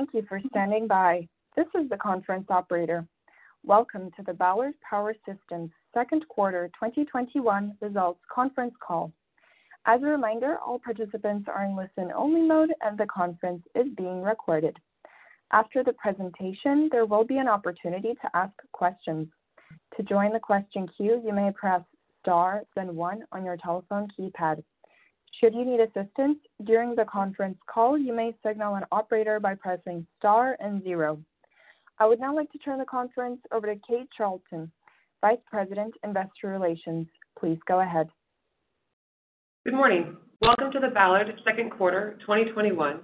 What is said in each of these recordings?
Thank you for standing by. This is the conference operator. Welcome to the Ballard Power Systems second quarter 2021 results conference call. As a reminder, all participants are in listen-only mode, and the conference is being recorded. After the presentation, there will be an opportunity to ask questions. To join the question queue, you may press star then one on your telephone keypad. Should you need assistance during the conference call, you may signal an operator by pressing star and zero. I would now like to turn the conference over to Kate Charlton, Vice President, Investor Relations. Please go ahead. Good morning. Welcome to the Ballard second quarter 2021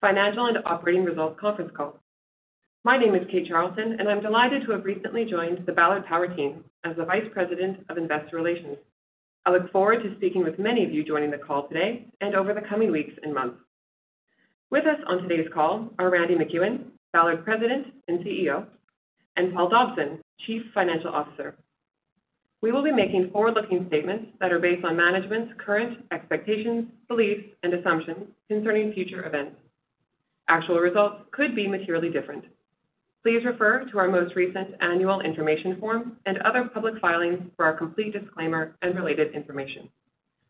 financial and operating results conference call. My name is Kate Charlton, and I'm delighted to have recently joined the Ballard Power team as the Vice President of Investor Relations. I look forward to speaking with many of you joining the call today and over the coming weeks and months. With us on today's call are Randy MacEwen, Ballard President and CEO, and Paul Dobson, Chief Financial Officer. We will be making forward-looking statements that are based on management's current expectations, beliefs, and assumptions concerning future events. Actual results could be materially different. Please refer to our most recent annual information form and other public filings for our complete disclaimer and related information.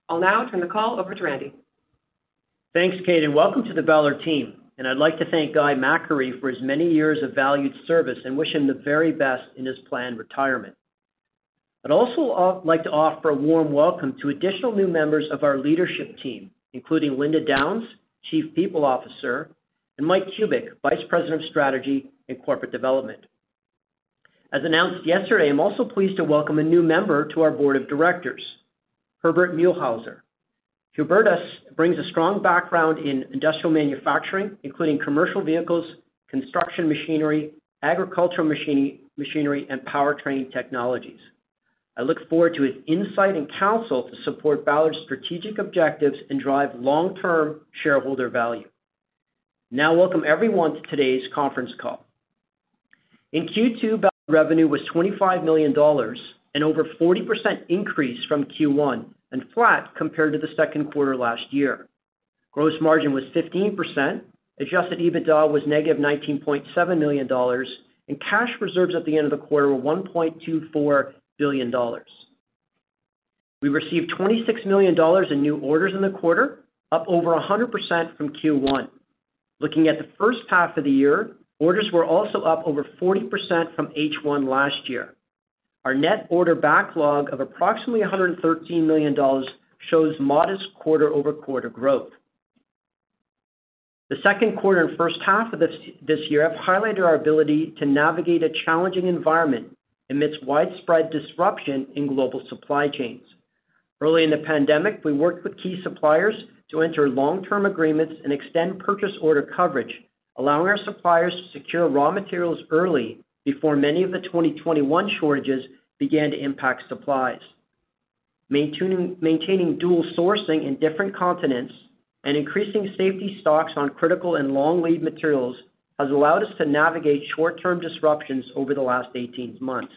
I'll now turn the call over to Randy. Thanks, Kate, welcome to the Ballard team. I'd like to thank Guy McAree for his many years of valued service and wish him the very best in his planned retirement. I'd also like to offer a warm welcome to additional new members of our leadership team, including Linda Downs, Chief People Officer, and Mike Kubik, Vice President of Strategy and Corporate Development. As announced yesterday, I'm also pleased to welcome a new member to our board of directors, Hubertus Mühlhäuser. Hubertus brings a strong background in industrial manufacturing, including commercial vehicles, construction machinery, agricultural machinery, and powertrain technologies. I look forward to his insight and counsel to support Ballard's strategic objectives and drive long-term shareholder value. Welcome everyone to today's conference call. In Q2, Ballard revenue was 25 million dollars, an over 40% increase from Q1 and flat compared to the second quarter last year. Gross margin was 15%, adjusted EBITDA was negative 19.7 million dollars, and cash reserves at the end of the quarter were $1.24 billion. We received 26 million dollars in new orders in the quarter, up over 100% from Q1. Looking at the first half of the year, orders were also up over 40% from H1 last year. Our net order backlog of approximately 113 million dollars shows modest quarter-over-quarter growth. The second quarter and first half of this year have highlighted our ability to navigate a challenging environment amidst widespread disruption in global supply chains. Early in the pandemic, we worked with key suppliers to enter long-term agreements and extend purchase order coverage, allowing our suppliers to secure raw materials early before many of the 2021 shortages began to impact supplies. Maintaining dual sourcing in different continents and increasing safety stocks on critical and long lead materials has allowed us to navigate short-term disruptions over the last 18 months.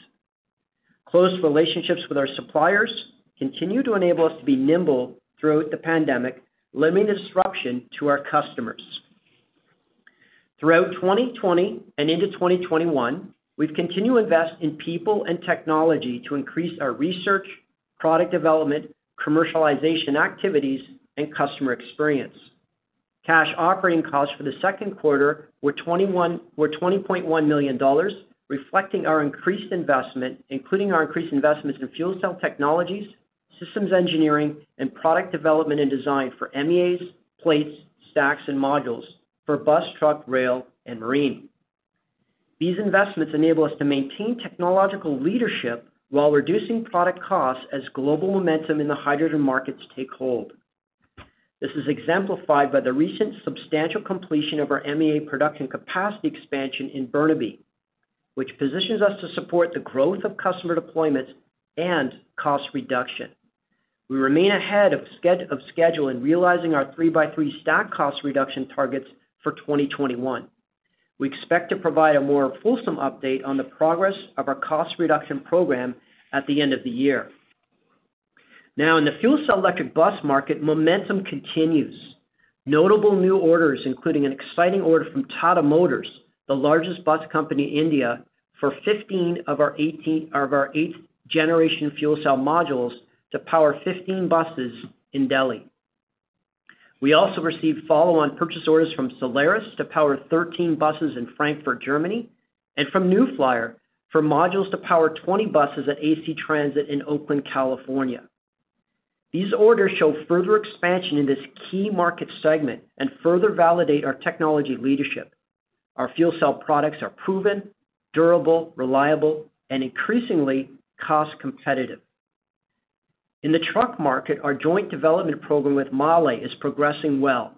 Close relationships with our suppliers continue to enable us to be nimble throughout the pandemic, limiting disruption to our customers. Throughout 2020 and into 2021, we've continued to invest in people and technology to increase our research, product development, commercialization activities, and customer experience. Cash operating costs for the second quarter were 20.1 million dollars, reflecting our increased investment, including our increased investments in fuel cell technologies, systems engineering, and product development and design for MEAs, plates, stacks, and modules for bus, truck, rail, and marine. These investments enable us to maintain technological leadership while reducing product costs as global momentum in the hydrogen markets take hold. This is exemplified by the recent substantial completion of our MEA production capacity expansion in Burnaby, which positions us to support the growth of customer deployments and cost reduction. We remain ahead of schedule in realizing our 3x3 stack cost reduction targets for 2021. We expect to provide a more fulsome update on the progress of our cost reduction program at the end of the year. In the fuel cell electric bus market, momentum continues. Notable new orders, including an exciting order from Tata Motors, the largest bus company in India, for 15 of our eighth-generation fuel cell modules to power 15 buses in Delhi. We also received follow-on purchase orders from Solaris to power 13 buses in Frankfurt, Germany, and from New Flyer for modules to power 20 buses at AC Transit in Oakland, California. These orders show further expansion in this key market segment and further validate our technology leadership. Our fuel cell products are proven, durable, reliable, and increasingly cost-competitive. In the truck market, our joint development program with MAHLE is progressing well.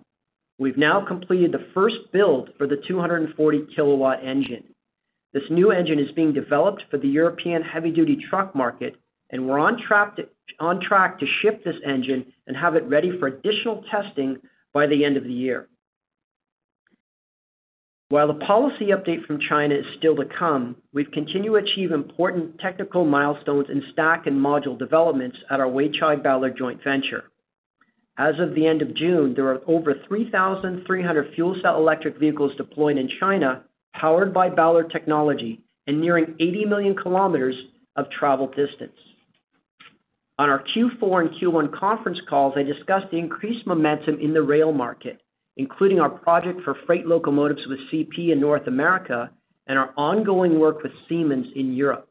We've now completed the first build for the 240-kilowatt engine. This new engine is being developed for the European heavy-duty truck market, and we're on track to ship this engine and have it ready for additional testing by the end of the year. While the policy update from China is still to come, we've continued to achieve important technical milestones in stack and module developments at our Weichai Ballard joint venture. As of the end of June, there are over 3,300 fuel cell electric vehicles deployed in China, powered by Ballard technology, and nearing 80 million kilometers of travel distance. On our Q4 and Q1 conference calls, I discussed the increased momentum in the rail market, including our project for freight locomotives with CP in North America and our ongoing work with Siemens in Europe.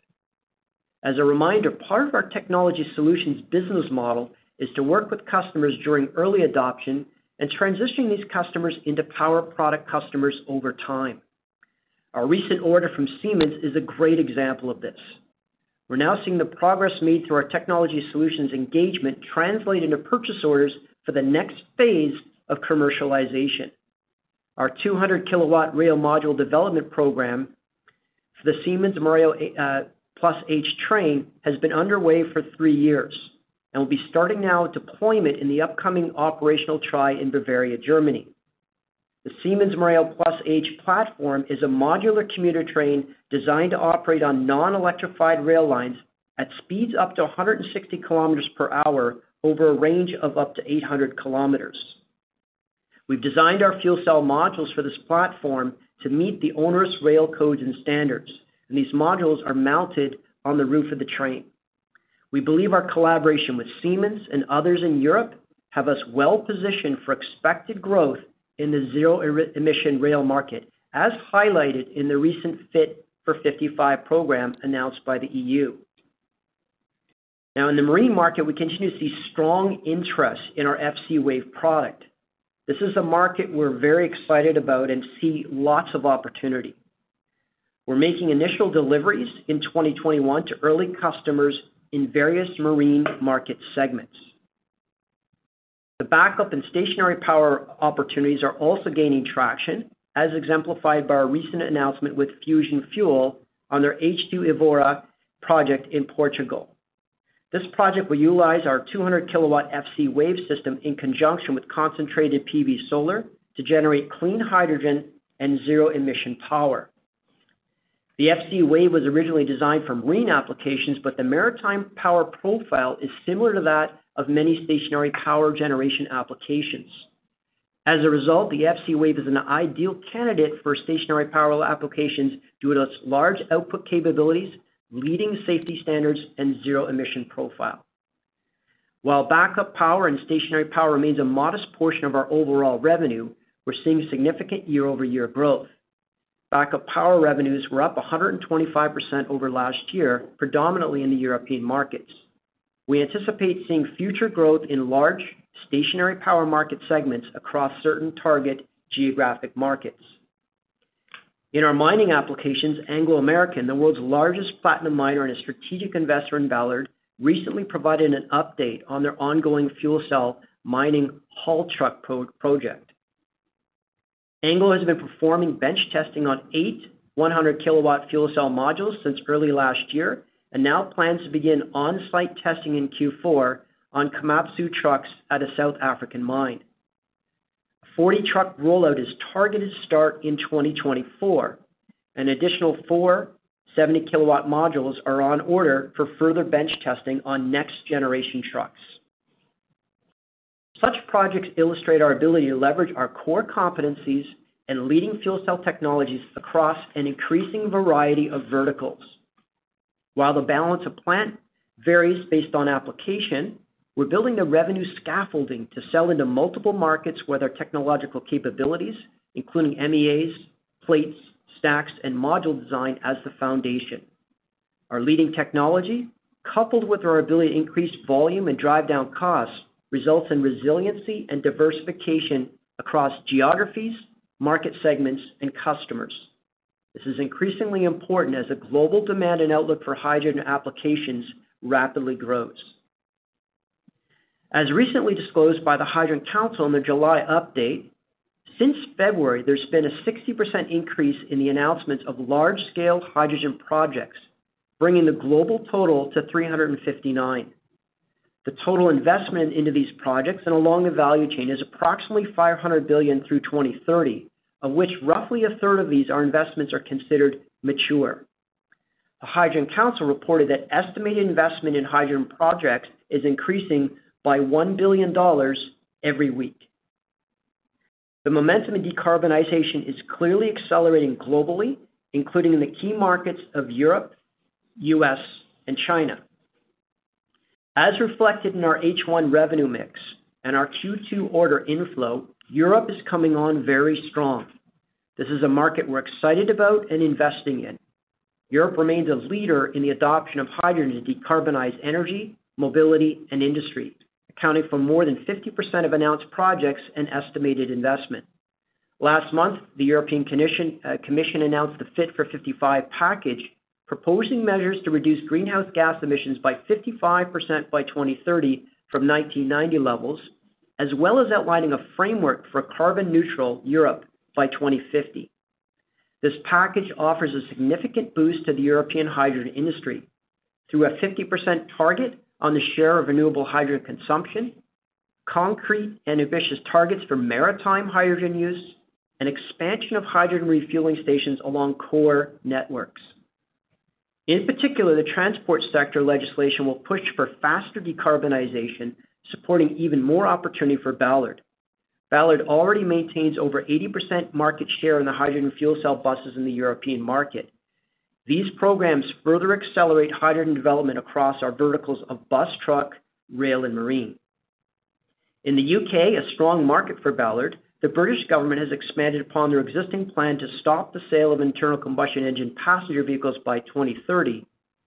As a reminder, part of our Technology Solutions business model is to work with customers during early adoption and transitioning these customers into power product customers over time. Our recent order from Siemens is a great example of this. We are now seeing the progress made through our Technology Solutions engagement translate into purchase orders for the next phase of commercialization. Our 200 kW rail module development program for the Siemens Mireo Plus H train has been underway for three years and will be starting now deployment in the upcoming operational trial in Bavaria, Germany. The Siemens Mireo Plus H platform is a modular commuter train designed to operate on non-electrified rail lines at speeds up to 160 km/h over a range of up to 800 km. We've designed our fuel cell modules for this platform to meet the onerous rail codes and standards. These modules are mounted on the roof of the train. We believe our collaboration with Siemens and others in Europe have us well positioned for expected growth in the zero-emission rail market, as highlighted in the recent Fit for 55 program announced by the EU. In the marine market, we continue to see strong interest in our FCwave product. This is a market we're very excited about and see lots of opportunity. We're making initial deliveries in 2021 to early customers in various marine market segments. The backup and stationary power opportunities are also gaining traction, as exemplified by our recent announcement with Fusion Fuel on their H2Évora project in Portugal. This project will utilize our 200 kW FCwave system in conjunction with concentrated PV solar to generate clean hydrogen and zero emission power. The FCwave was originally designed for marine applications, but the maritime power profile is similar to that of many stationary power generation applications. As a result, the FCwave is an ideal candidate for stationary power applications due to its large output capabilities, leading safety standards, and zero emission profile. While backup power and stationary power remains a modest portion of our overall revenue, we're seeing significant year-over-year growth. Backup power revenues were up 125% over last year, predominantly in the European markets. We anticipate seeing future growth in large stationary power market segments across certain target geographic markets. In our mining applications, Anglo American, the world's largest platinum miner and a strategic investor in Ballard, recently provided an update on their ongoing fuel cell mining haul truck project. Anglo has been performing bench testing on 8 100 kW fuel cell modules since early last year and now plans to begin on-site testing in Q4 on Komatsu trucks at a South African mine. A 40-truck rollout is targeted to start in 2024. An additional 4 70 kW modules are on order for further bench testing on next generation trucks. Such projects illustrate our ability to leverage our core competencies and leading fuel cell technologies across an increasing variety of verticals. While the balance of plant varies based on application, we're building the revenue scaffolding to sell into multiple markets where their technological capabilities, including MEAs, plates, stacks, and module design, as the foundation. Our leading technology, coupled with our ability to increase volume and drive down costs, results in resiliency and diversification across geographies, market segments, and customers. This is increasingly important as the global demand and outlook for hydrogen applications rapidly grows. As recently disclosed by the Hydrogen Council in the July update, since February, there has been a 60% increase in the announcements of large-scale hydrogen projects, bringing the global total to 359. The total investment into these projects and along the value chain is approximately 500 billion through 2030, of which roughly a third of these investments are considered mature. The Hydrogen Council reported that estimated investment in hydrogen projects is increasing by 1 billion dollars every week. The momentum in decarbonization is clearly accelerating globally, including in the key markets of Europe, U.S., and China. As reflected in our H1 revenue mix and our Q2 order inflow, Europe is coming on very strong. This is a market we're excited about and investing in. Europe remains a leader in the adoption of hydrogen to decarbonize energy, mobility, and industry, accounting for more than 50% of announced projects and estimated investment. Last month, the European Commission announced the Fit for 55 package, proposing measures to reduce greenhouse gas emissions by 55% by 2030 from 1990 levels, as well as outlining a framework for a carbon neutral Europe by 2050. This package offers a significant boost to the European hydrogen industry through a 50% target on the share of renewable hydrogen consumption, concrete and ambitious targets for maritime hydrogen use, and expansion of hydrogen refueling stations along core networks. In particular, the transport sector legislation will push for faster decarbonization, supporting even more opportunity for Ballard. Ballard already maintains over 80% market share in the hydrogen fuel cell buses in the European market. These programs further accelerate hydrogen development across our verticals of bus, truck, rail, and marine. In the U.K., a strong market for Ballard, the British government has expanded upon their existing plan to stop the sale of internal combustion engine passenger vehicles by 2030,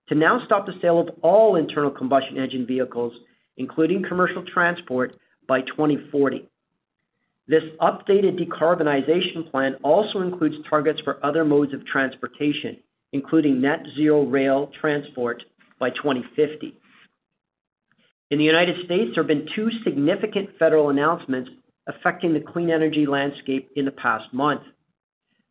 to now stop the sale of all internal combustion engine vehicles, including commercial transport, by 2040. This updated decarbonization plan also includes targets for other modes of transportation, including net zero rail transport by 2050. In the United States, there have been two significant federal announcements affecting the clean energy landscape in the past month.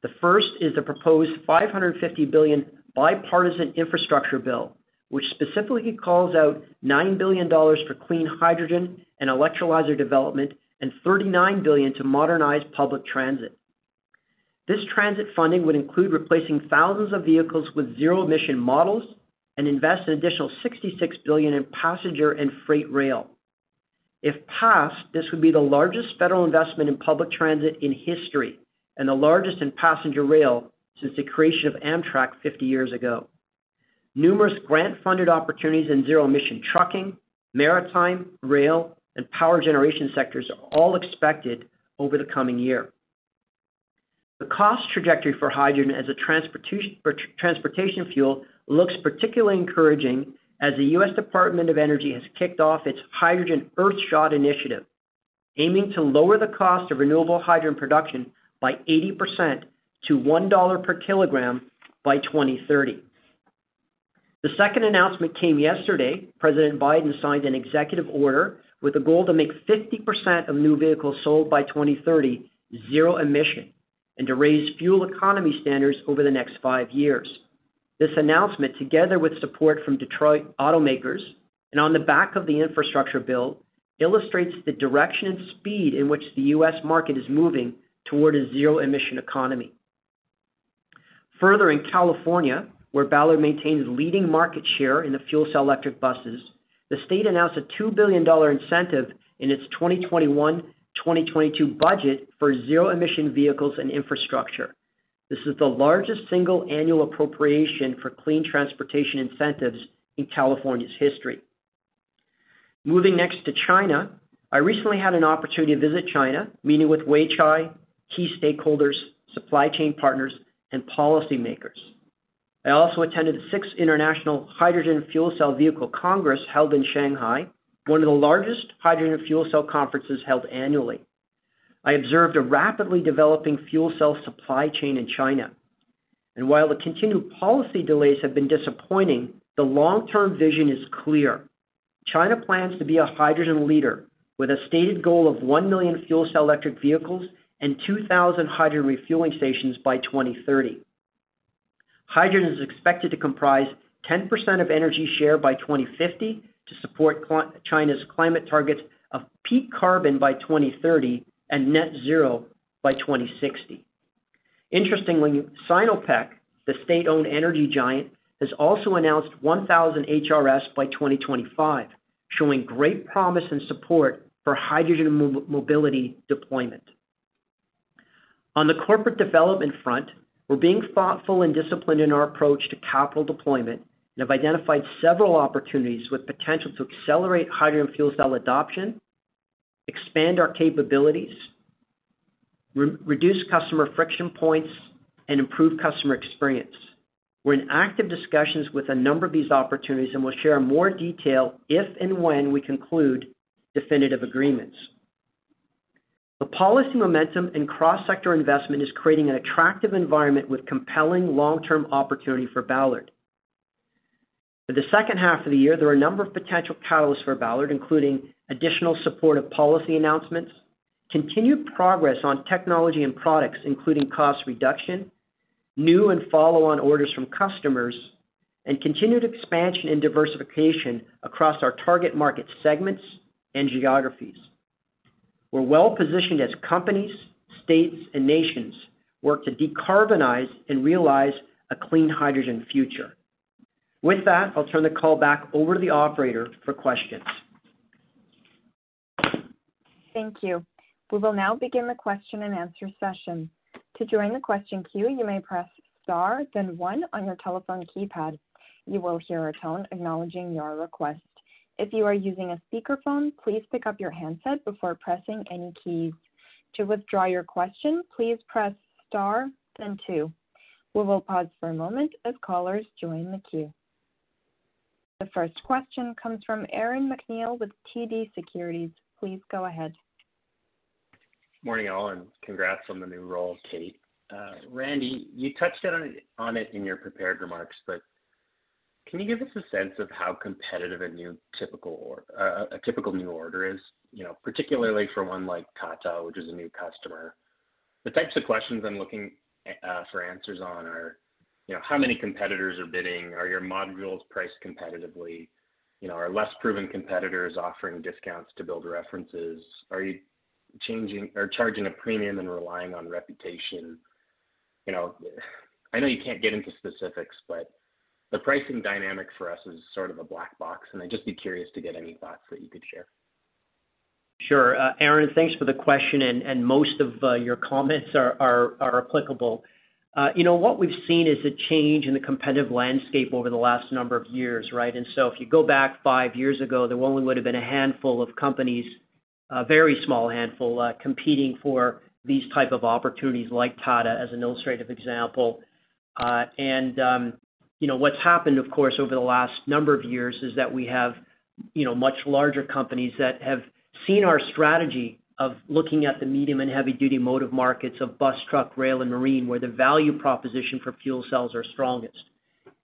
The first is the proposed $550 billion bipartisan infrastructure bill, which specifically calls out $9 billion for clean hydrogen and electrolyzer development, and $39 billion to modernize public transit. This transit funding would include replacing thousands of vehicles with zero-emission models and invest an additional $66 billion in passenger and freight rail. If passed, this would be the largest federal investment in public transit in history and the largest in passenger rail since the creation of Amtrak 50 years ago. Numerous grant-funded opportunities in zero-emission trucking, maritime, rail, and power generation sectors are all expected over the coming year. The cost trajectory for hydrogen as a transportation fuel looks particularly encouraging, as the U.S. Department of Energy has kicked off its Hydrogen Earthshot Initiative, aiming to lower the cost of renewable hydrogen production by 80% to $1 per kilogram by 2030. The second announcement came yesterday, President Biden signed an executive order with a goal to make 50% of new vehicles sold by 2030 zero emission, and to raise fuel economy standards over the next five years. This announcement, together with support from Detroit automakers and on the back of the infrastructure bill, illustrates the direction and speed in which the U.S. market is moving toward a zero-emission economy. Further, in California, where Ballard maintains leading market share in the fuel cell electric buses, the state announced a $2 billion incentive in its 2021-2022 budget for zero-emission vehicles and infrastructure. This is the largest single annual appropriation for clean transportation incentives in California's history. Moving next to China. I recently had an opportunity to visit China, meeting with Weichai, key stakeholders, supply chain partners, and policymakers. I also attended the sixth International Hydrogen Fuel Cell Vehicle Congress held in Shanghai, one of the largest hydrogen fuel cell conferences held annually. I observed a rapidly developing fuel cell supply chain in China. While the continued policy delays have been disappointing, the long-term vision is clear. China plans to be a hydrogen leader with a stated goal of 1 million fuel cell electric vehicles and 2,000 hydrogen refueling stations by 2030. Hydrogen is expected to comprise 10% of energy share by 2050 to support China's climate targets of peak carbon by 2030 and net zero by 2060. Interestingly, Sinopec, the state-owned energy giant, has also announced 1,000 HRS by 2025, showing great promise and support for hydrogen mobility deployment. On the corporate development front, we're being thoughtful and disciplined in our approach to capital deployment and have identified several opportunities with potential to accelerate hydrogen fuel cell adoption, expand our capabilities, reduce customer friction points, and improve customer experience. We're in active discussions with a number of these opportunities, and we'll share more detail if and when we conclude definitive agreements. The policy momentum and cross-sector investment is creating an attractive environment with compelling long-term opportunity for Ballard. For the second half of the year, there are a number of potential catalysts for Ballard, including additional supportive policy announcements, continued progress on technology and products, including cost reduction, new and follow-on orders from customers, and continued expansion and diversification across our target market segments and geographies. We're well-positioned as companies, states, and nations work to decarbonize and realize a clean hydrogen future. With that, I'll turn the call back over to the operator for questions. Thank you. We will now begin the question and answer session. The first question comes from Aaron MacNeil with TD Securities. Please go ahead. Morning, all, and congrats on the new role, Kate. Randy, you touched on it in your prepared remarks. Can you give us a sense of how competitive a typical new order is, particularly for one like Tata, which is a new customer? The types of questions I'm looking for answers on are: how many competitors are bidding, are your modules priced competitively, are less proven competitors offering discounts to build references, are you changing or charging a premium and relying on reputation? I know you can't get into specifics, but the pricing dynamic for us is sort of a black box, and I'd just be curious to get any thoughts that you could share. Sure. Aaron, thanks for the question, and most of your comments are applicable. What we've seen is a change in the competitive landscape over the last number of years, right? If you go back five years ago, there only would've been a handful of companies, a very small handful, competing for these type of opportunities like Tata as an illustrative example. What's happened, of course, over the last number of years is that we have much larger companies that have seen our strategy of looking at the medium and heavy-duty motive markets of bus, truck, rail, and marine, where the value proposition for fuel cells are strongest.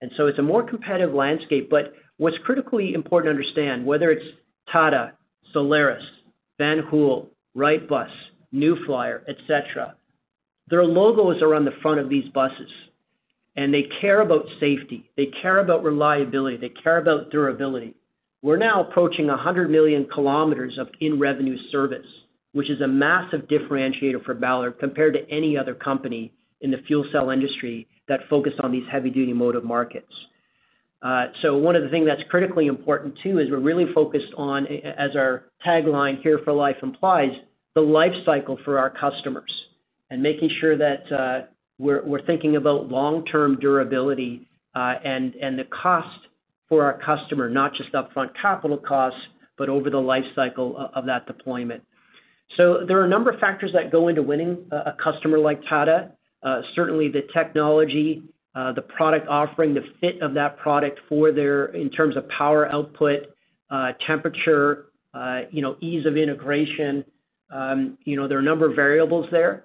It's a more competitive landscape, but what's critically important to understand, whether it's Tata, Solaris, Van Hool, Wrightbus, New Flyer, et cetera, their logos are on the front of these buses, and they care about safety. They care about reliability, they care about durability. We're now approaching 100 million kilometers of in-revenue service, which is a massive differentiator for Ballard compared to any other company in the fuel cell industry that focused on these heavy-duty motive markets. One of the things that's critically important, too, is we're really focused on, as our tagline, Here for Life, implies the life cycle for our customers, and making sure that we're thinking about long-term durability, and the cost for our customer, not just upfront capital costs, but over the life cycle of that deployment. There are a number of factors that go into winning a customer like Tata. Certainly the technology, the product offering, the fit of that product for their, in terms of power output, temperature, ease of integration. There are a number of variables there.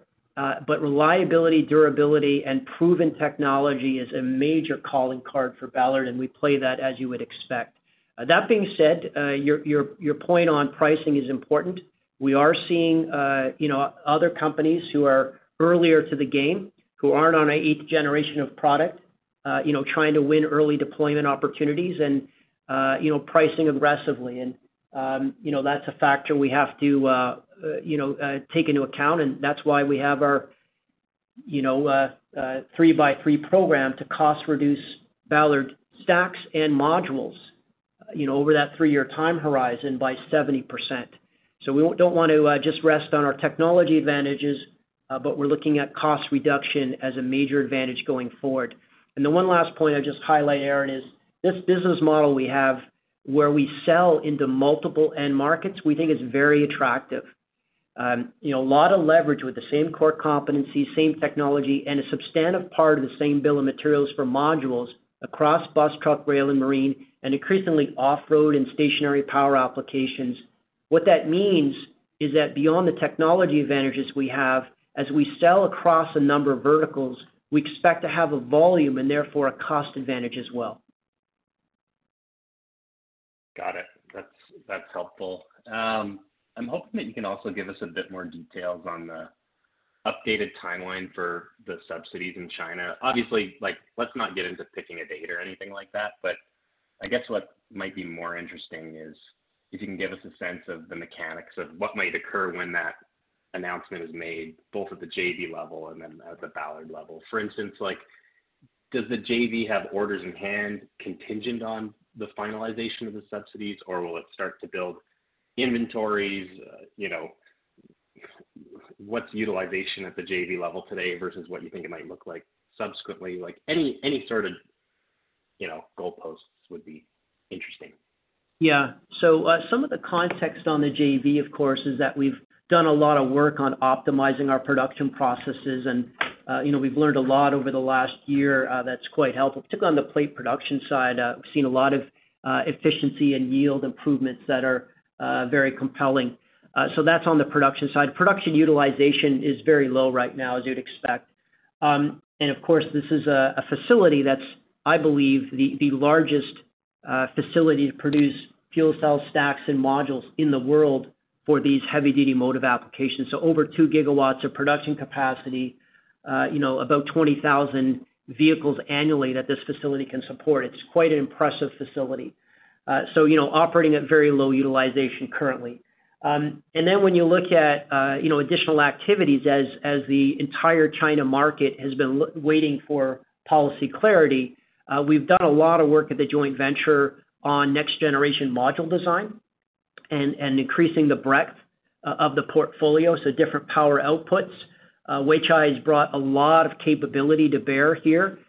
Reliability, durability, and proven technology is a major calling card for Ballard, we play that as you would expect. That being said, your point on pricing is important. We are seeing other companies who are earlier to the game, who aren't on an 8th generation of product trying to win early deployment opportunities and pricing aggressively. That's a factor we have to take into account, that's why we have our 3x3 program to cost reduce Ballard stacks and modules over that three-year time horizon by 70%. We don't want to just rest on our technology advantages, but we're looking at cost reduction as a major advantage going forward. The 1 last point I'd just highlight, Aaron, is this business model we have where we sell into multiple end markets, we think is very attractive. A lot of leverage with the same core competencies, same technology, and a substantive part of the same bill of materials for modules across bus, truck, rail, and marine, and increasingly off-road and stationary power applications. What that means is that beyond the technology advantages we have, as we sell across a number of verticals, we expect to have a volume and therefore a cost advantage as well. Got it. That is helpful. I am hoping that you can also give us a bit more details on the updated timeline for the subsidies in China. Obviously, let us not get into picking a date or anything like that, but I guess what might be more interesting is if you can give us a sense of the mechanics of what might occur when that announcement is made, both at the JV level and then at the Ballard level. For instance, does the JV have orders in hand contingent on the finalization of the subsidies, or will it start to build inventories? What is utilization at the JV level today versus what you think it might look like subsequently? Any sort of goal posts would be interesting. Some of the context on the JV, of course, is that we've done a lot of work on optimizing our production processes and we've learned a lot over the last year that's quite helpful. Particularly on the plate production side, we've seen a lot of efficiency and yield improvements that are very compelling. That's on the production side. Production utilization is very low right now, as you'd expect. Of course, this is a facility that's, I believe, the largest facility to produce fuel cell stacks and modules in the world for these heavy-duty motive applications. Over 2 GW of production capacity, about 20,000 vehicles annually that this facility can support. It's quite an impressive facility. Operating at very low utilization currently. When you look at additional activities as the entire China market has been waiting for policy clarity, we've done a lot of work at the joint venture on next-generation module design and increasing the breadth of the portfolio, so different power outputs. Weichai has brought a lot of capability to bear here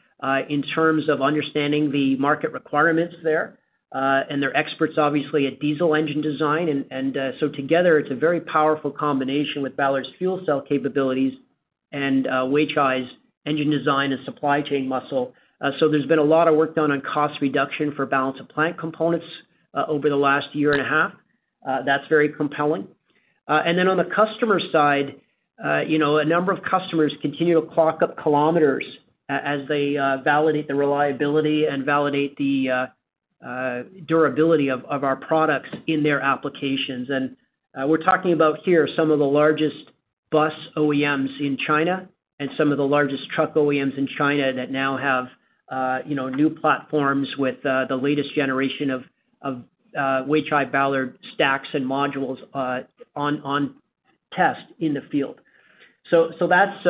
in terms of understanding the market requirements there, and they're experts, obviously, at diesel engine design, together, it's a very powerful combination with Ballard's fuel cell capabilities and Weichai's engine design and supply chain muscle. There's been a lot of work done on cost reduction for balance of plant components over the last year and a half. That's very compelling. On the customer side, a number of customers continue to clock up kilometers as they validate the reliability and validate the durability of our products in their applications. We're talking about here some of the largest bus OEMs in China and some of the largest truck OEMs in China that now have new platforms with the latest generation of Weichai Ballard stacks and modules on test in the field. That's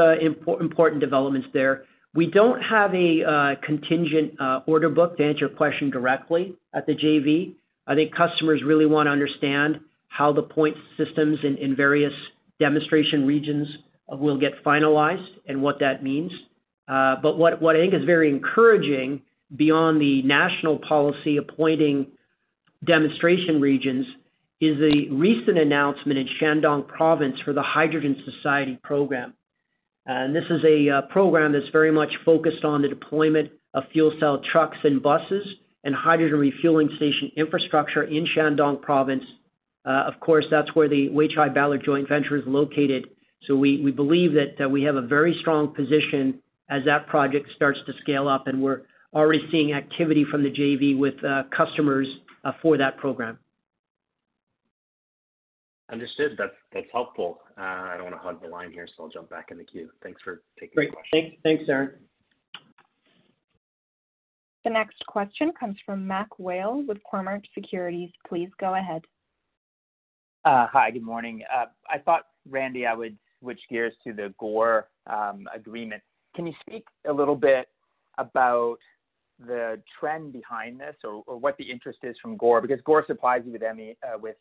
important developments there. We don't have a contingent order book, to answer your question directly, at the JV. I think customers really want to understand how the point systems in various demonstration regions will get finalized and what that means. What I think is very encouraging, beyond the national policy appointing demonstration regions, is the recent announcement in Shandong Province for the Hydrogen Society program. This is a program that's very much focused on the deployment of fuel cell trucks and buses and hydrogen refueling station infrastructure in Shandong Province. Of course, that's where the Weichai Ballard joint venture is located. We believe that we have a very strong position as that project starts to scale up, and we're already seeing activity from the JV with customers for that program. Understood, that's helpful. I don't want to hog the line here, so I'll jump back in the queue. Thanks for taking the question. Great. Thanks, Aaron. The next question comes from MacMurray Whale with Cormark Securities. Please go ahead. Hi. Good morning. I thought, Randy, I would switch gears to the Gore agreement. Can you speak a little bit about the trend behind this or what the interest is from Gore? Because Gore supplies you with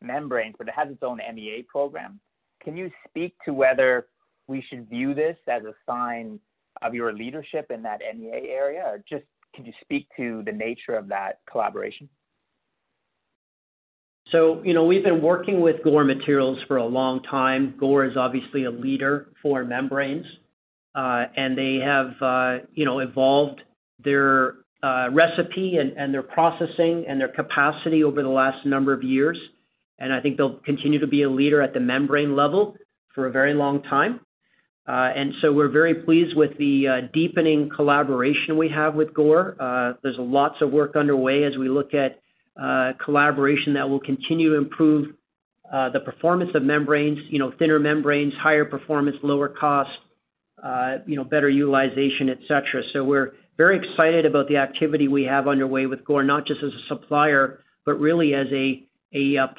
membranes, but it has its own MEA program. Can you speak to whether we should view this as a sign of your leadership in that MEA area? Just, could you speak to the nature of that collaboration? We've been working with Gore Materials for a long time. Gore is obviously a leader for membranes, and they have evolved their recipe and their processing and their capacity over the last number of years, and I think they'll continue to be a leader at the membrane level for a very long time. We're very pleased with the deepening collaboration we have with Gore. There's lots of work underway as we look at collaboration that will continue to improve the performance of membranes, thinner membranes, higher performance, lower cost, better utilization, et cetera. We're very excited about the activity we have underway with Gore, not just as a supplier, but really as a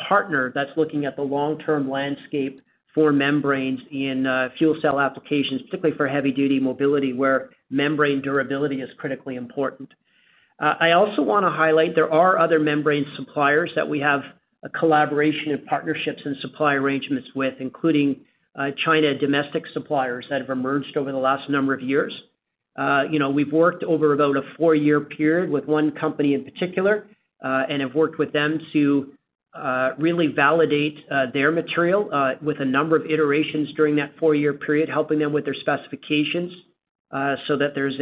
partner that's looking at the long-term landscape for membranes in fuel cell applications, particularly for heavy-duty mobility, where membrane durability is critically important. I also want to highlight there are other membrane suppliers that we have a collaboration of partnerships and supply arrangements with, including China domestic suppliers that have emerged over the last number of years. We've worked over about a four-year period with one company in particular, and have worked with them to really validate their material with a number of iterations during that four-year period, helping them with their specifications, so that there's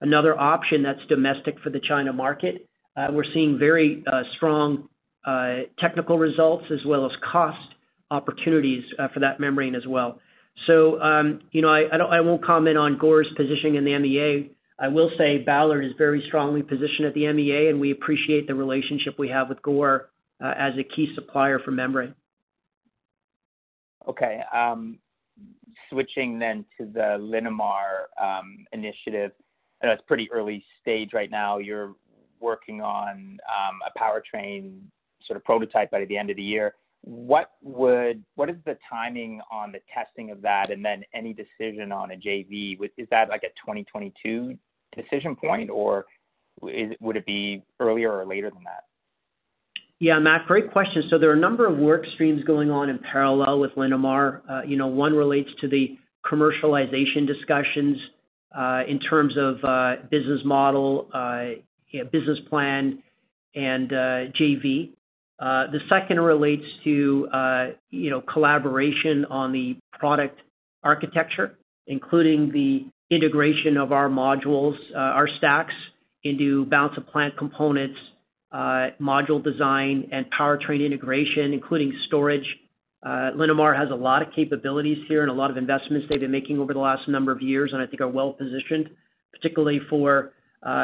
another option that's domestic for the China market. We're seeing very strong technical results as well as cost opportunities for that membrane as well. I won't comment on Gore's positioning in the MEA, I will say Ballard is very strongly positioned at the MEA, and we appreciate the relationship we have with Gore as a key supplier for membrane. Okay. Switching to the Linamar initiative. I know it's pretty early stage right now. You're working on a powertrain sort of prototype by the end of the year. What is the timing on the testing of that and then any decision on a JV? Is that like a 2022 decision point, or would it be earlier or later than that? Yeah, Mac, great question. There are a number of work streams going on in parallel with Linamar. One relates to the commercialization discussions, in terms of business model, business plan, and JV. The second relates to collaboration on the product architecture, including the integration of our modules, our stacks into balance of plant components, module design, and powertrain integration, including storage. Linamar has a lot of capabilities here and a lot of investments they've been making over the last number of years and I think are well-positioned, particularly for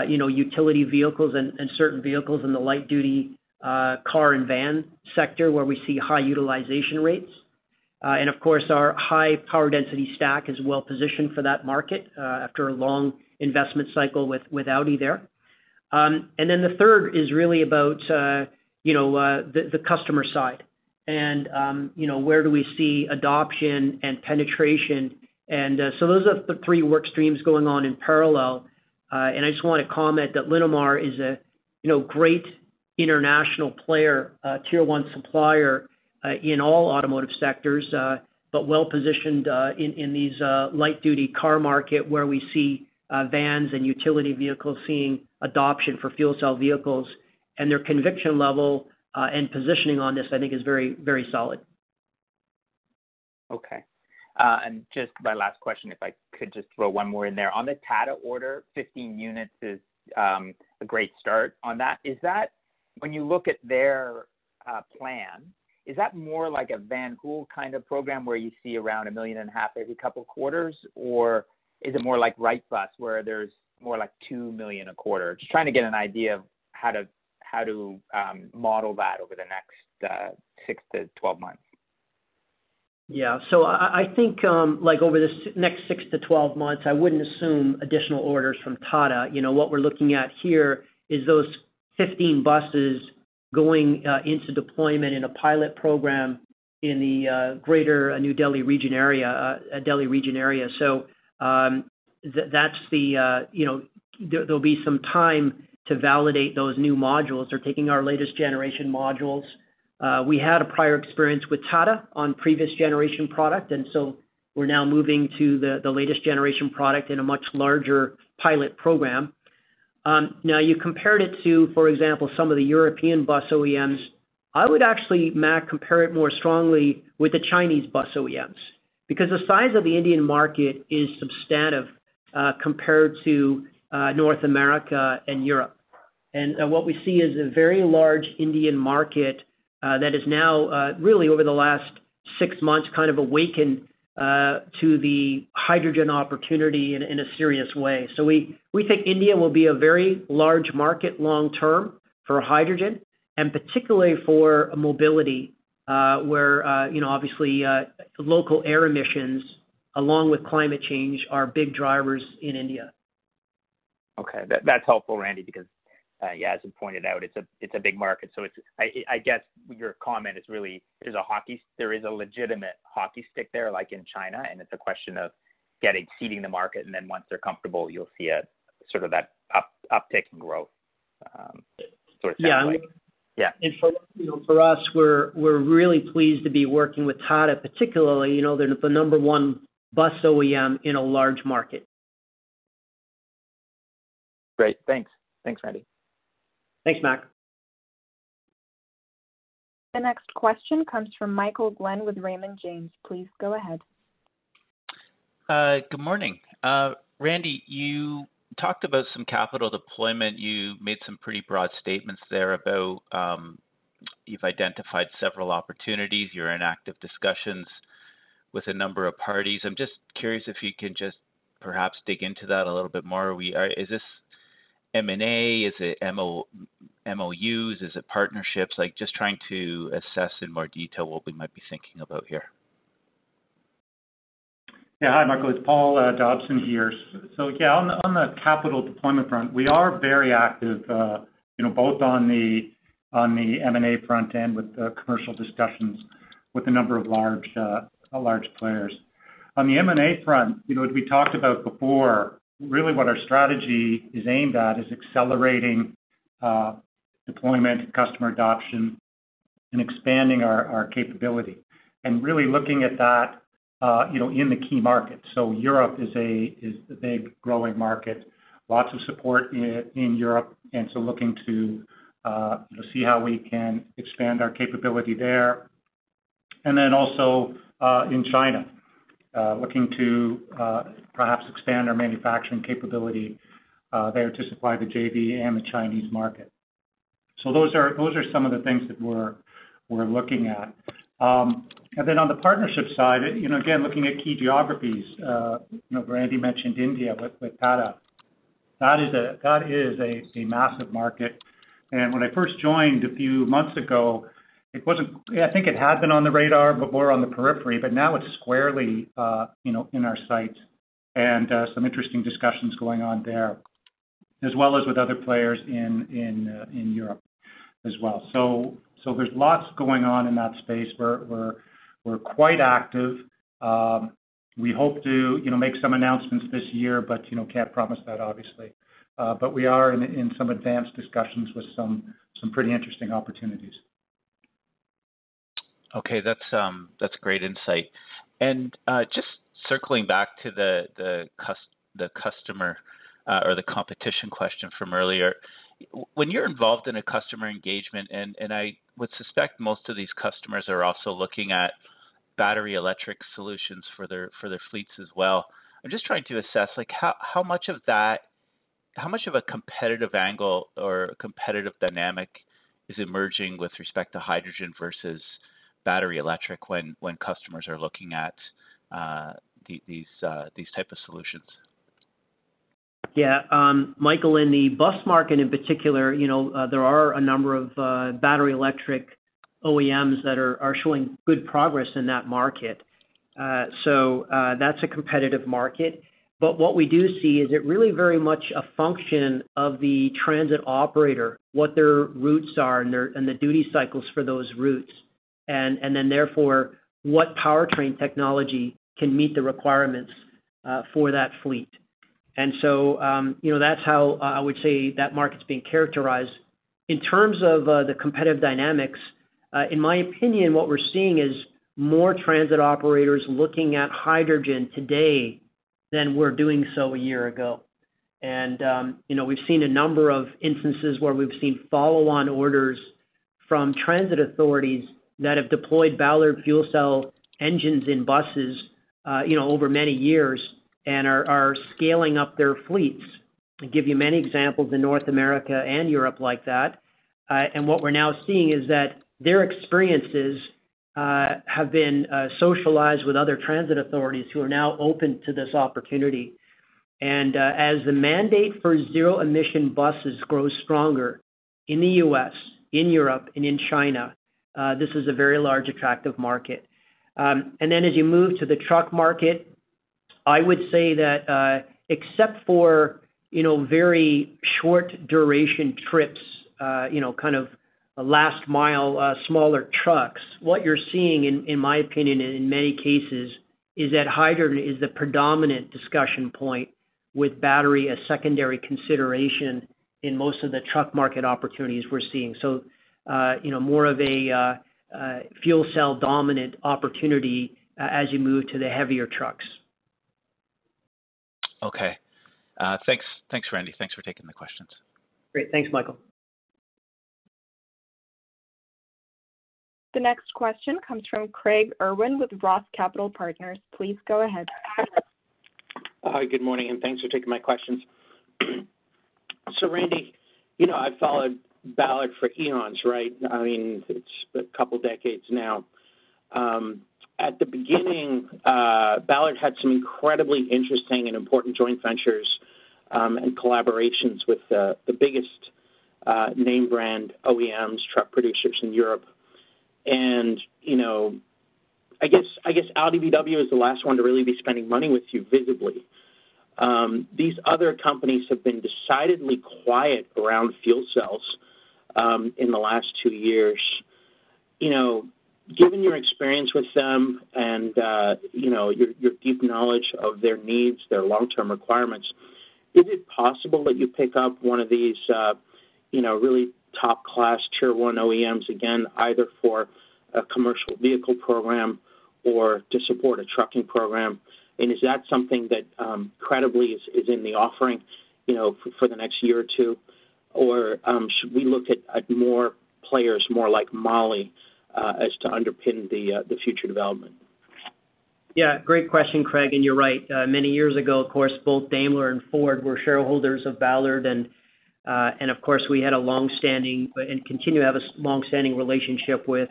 utility vehicles and certain vehicles in the light-duty car and van sector, where we see high utilization rates. Of course, our high power density stack is well-positioned for that market after a long investment cycle with Audi there. The third is really about the customer side, and where do we see adoption and penetration. Those are the three work streams going on in parallel. I just want to comment that Linamar is a great international player, a Tier 1 supplier in all automotive sectors, but well-positioned in these light-duty car market where we see vans and utility vehicles seeing adoption for fuel cell vehicles. Their conviction level and positioning on this, I think, is very solid. Okay. Just my last question, if I could just throw one more in there. On the Tata order, 15 units is a great start on that. When you look at their plan, is that more like a Van Hool kind of program where you see around CAD a million and a half every couple of quarters? Or is it more like Wrightbus, where there's more like 2 million a quarter? Just trying to get an idea of how to model that over the next 6 to 12 months. I think over the next 6-12 months, I wouldn't assume additional orders from Tata. What we're looking at here is those 15 buses going into deployment in a pilot program in the greater New Delhi region area. There'll be some time to validate those new modules. They're taking our latest generation modules. We had a prior experience with Tata on previous generation product, we're now moving to the latest generation product in a much larger pilot program. You compared it to, for example, some of the European bus OEMs. I would actually, Mac, compare it more strongly with the Chinese bus OEMs, because the size of the Indian market is substantive compared to North America and Europe. What we see is a very large Indian market, that is now really over the last six months, kind of awakened to the hydrogen opportunity in a serious way. We think India will be a very large market long-term for hydrogen, and particularly for mobility, where obviously, local air emissions, along with climate change, are big drivers in India. Okay. That's helpful, Randy, because, as you pointed out, it's a big market. I guess your comment is really there is a legitimate hockey stick there, like in China, and it's a question of seeding the market, and then once they're comfortable, you'll see sort of that uptick in growth. Yeah. Yeah. For us, we're really pleased to be working with Tata particularly. They're the number one bus OEM in a large market. Great. Thanks, Randy. Thanks, Mac. The next question comes from Michael Glen with Raymond James. Please go ahead. Good morning. Randy, you talked about some capital deployment. You made some pretty broad statements there about, you've identified several opportunities. You're in active discussions with a number of parties. I'm just curious if you can just perhaps dig into that a little bit more. Is this M&A? Is it MOUs? Is it partnerships? Just trying to assess in more detail what we might be thinking about here. Hi, Michael, it's Paul Dobson here. On the capital deployment front, we are very active both on the M&A front and with commercial discussions with a number of large players. On the M&A front, as we talked about before, really what our strategy is aimed at is accelerating deployment, customer adoption, and expanding our capability, and really looking at that in the key markets. Europe is a big growing market. Lots of support in Europe, looking to see how we can expand our capability there. Also, in China, looking to perhaps expand our manufacturing capability there to supply the JV and the Chinese market. Those are some of the things that we're looking at. On the partnership side, again, looking at key geographies. Randy mentioned India with Tata. Tata is a massive market. When I first joined a few months ago, I think it had been on the radar, but more on the periphery. Now it's squarely in our sights, and some interesting discussions going on there, as well as with other players in Europe as well. There's lots going on in that space. We're quite active. We hope to make some announcements this year, but can't promise that, obviously. We are in some advanced discussions with some pretty interesting opportunities. Okay, that's a great insight. Just circling back to the customer or the competition question from earlier. When you're involved in a customer engagement, and I would suspect most of these customers are also looking at battery electric solutions for their fleets as well. I'm just trying to assess, how much of a competitive angle or competitive dynamic is emerging with respect to hydrogen versus battery electric when customers are looking at these type of solutions? Michael, in the bus market in particular, there are a number of battery electric OEMs that are showing good progress in that market. That's a competitive market, but what we do see is it really very much a function of the transit operator, what their routes are and the duty cycles for those routes, and therefore, what powertrain technology can meet the requirements for that fleet. That's how I would say that market's being characterized. In terms of the competitive dynamics, in my opinion, what we're seeing is more transit operators looking at hydrogen today than were doing so a year ago. We've seen a number of instances where we've seen follow-on orders from transit authorities that have deployed Ballard fuel cell engines in buses over many years and are scaling up their fleets. I can give you many examples in North America and Europe like that. What we're now seeing is that their experiences have been socialized with other transit authorities who are now open to this opportunity. As the mandate for zero-emission buses grows stronger in the U.S., in Europe, and in China, this is a very large, attractive market. As you move to the truck market, I would say that except for very short duration trips, kind of last mile, smaller trucks, what you're seeing, in my opinion, in many cases, is that hydrogen is the predominant discussion point with battery as secondary consideration in most of the truck market opportunities we're seeing. More of a fuel cell dominant opportunity as you move to the heavier trucks. Okay. Thanks, Randy. Thanks for taking the questions. Great. Thanks, Michael. The next question comes from Craig Irwin with ROTH Capital Partners. Please go ahead. Hi, good morning and thanks for taking my questions. Randy, I've followed Ballard for eons, right? It's a couple decades now. At the beginning, Ballard had some incredibly interesting and important joint ventures and collaborations with the biggest name brand OEMs, truck producers in Europe. I guess Audi, VW is the last one to really be spending money with you visibly. These other companies have been decidedly quiet around fuel cells, in the last two years. Given your experience with them and your deep knowledge of their needs, their long-term requirements, is it possible that you pick up one of these really top-class Tier 1 OEMs again, either for a commercial vehicle program or to support a trucking program? Is that something that credibly is in the offering for the next year or two? Should we look at more players, more like MAHLE as to underpin the future development? Yeah, great question, Craig. You're right. Many years ago, of course, both Daimler and Ford were shareholders of Ballard, and of course, we had a longstanding and continue to have a longstanding relationship with,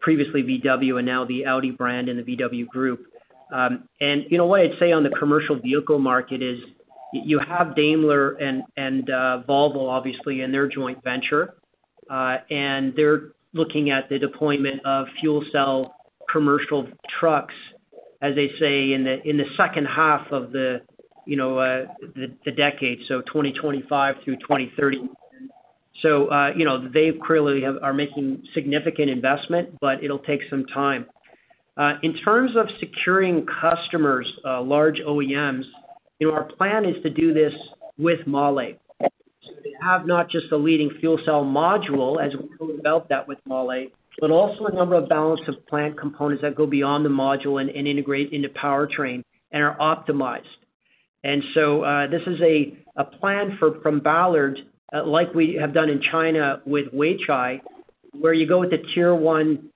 previously VW and now the Audi brand in the VW group. What I'd say on the commercial vehicle market is you have Daimler and Volvo obviously in their joint venture. They're looking at the deployment of fuel cell commercial trucks, as they say, in the second half of the decade, so 2025 through 2030. They clearly are making significant investment, but it'll take some time. In terms of securing customers, large OEMs, our plan is to do this with MAHLE. They have not just the leading fuel cell module, as we co-developed that with MAHLE, but also a number of balance of plant components that go beyond the module and integrate into powertrain and are optimized. This is a plan from Ballard, like we have done in China with Weichai, where you go with the Tier 1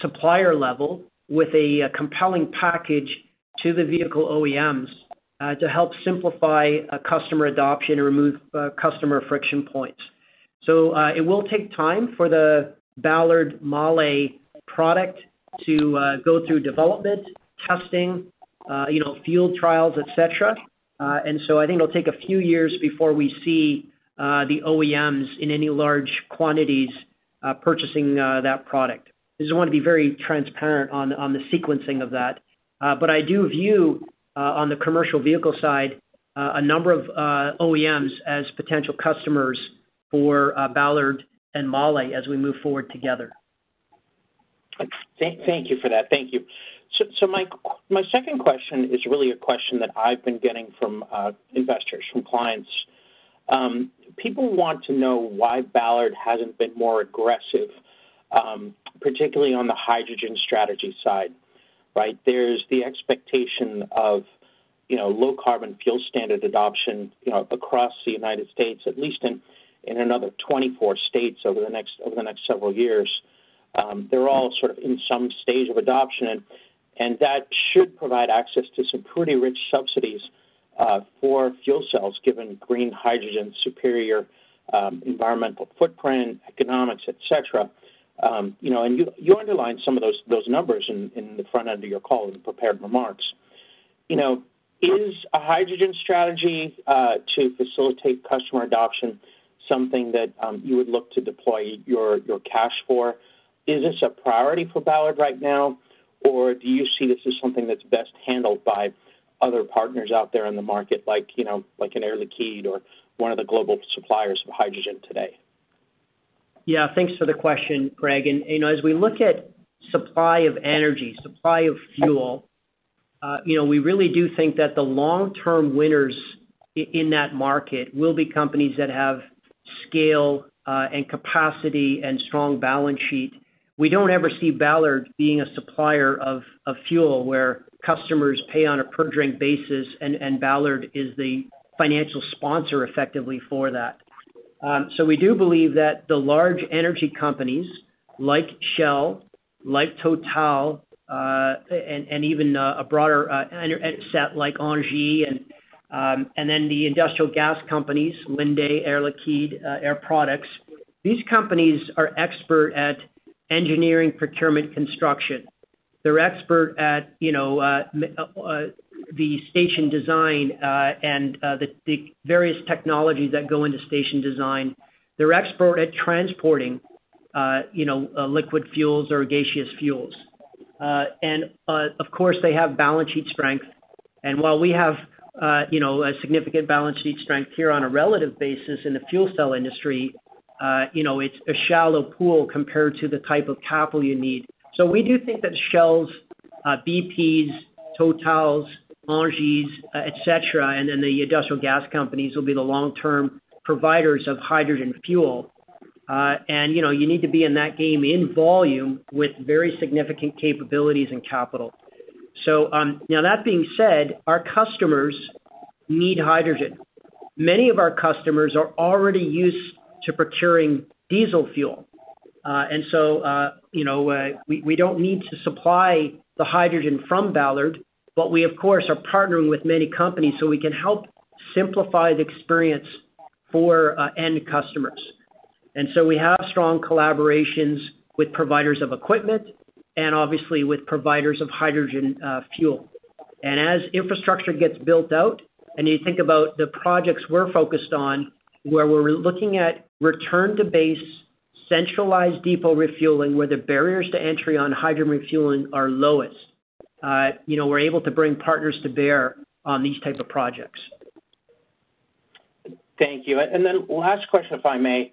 supplier level with a compelling package to the vehicle OEMs, to help simplify customer adoption and remove customer friction points. It will take time for the Ballard MAHLE product to go through development testing, field trials, et cetera. I think it'll take a few years before we see the OEMs in any large quantities, purchasing that product. I want to be very transparent on the sequencing of that. I do view, on the commercial vehicle side, a number of OEMs as potential customers for Ballard and MAHLE as we move forward together. Thank you for that. Thank you. My second question is really a question that I've been getting from investors, from clients. People want to know why Ballard hasn't been more aggressive, particularly on the hydrogen strategy side. Right? There's the expectation of low carbon fuel standard adoption across the U.S., at least in another 24 states over the next several years. They're all sort of in some stage of adoption, and that should provide access to some pretty rich subsidies for fuel cells, given green hydrogen's superior environmental footprint, economics, et cetera. You underlined some of those numbers in the front end of your call in prepared remarks. Is a hydrogen strategy, to facilitate customer adoption, something that you would look to deploy your cash for? Is this a priority for Ballard right now? Do you see this as something that's best handled by other partners out there in the market, like an Air Liquide or one of the global suppliers of hydrogen today? Thanks for the question, Craig. As we look at supply of energy, supply of fuel, we really do think that the long-term winners in that market will be companies that have scale and capacity and strong balance sheet. We don't ever see Ballard being a supplier of fuel where customers pay on a per drink basis and Ballard is the financial sponsor effectively for that. We do believe that the large energy companies like Shell, like Total, and even a broader set like Engie and then the industrial gas companies, Linde, Air Liquide, Air Products, these companies are expert at engineering, procurement, construction. They're expert at the station design, and the various technologies that go into station design. They're expert at transporting liquid fuels or gaseous fuels. Of course they have balance sheet strength. While we have a significant balance sheet strength here on a relative basis in the fuel cell industry, it's a shallow pool compared to the type of capital you need. We do think that Shell's, BP's, Total's, ENGIE's, et cetera, and then the industrial gas companies will be the long-term providers of hydrogen fuel. You need to be in that game in volume with very significant capabilities and capital. Now that being said, our customers need hydrogen. Many of our customers are already used to procuring diesel fuel. We don't need to supply the hydrogen from Ballard, but we of course are partnering with many companies so we can help simplify the experience for end customers. We have strong collaborations with providers of equipment and obviously with providers of hydrogen fuel. As infrastructure gets built out, and you think about the projects we're focused on, where we're looking at return to base centralized depot refueling, where the barriers to entry on hydrogen refueling are lowest. We're able to bring partners to bear on these type of projects. Thank you. Last question, if I may,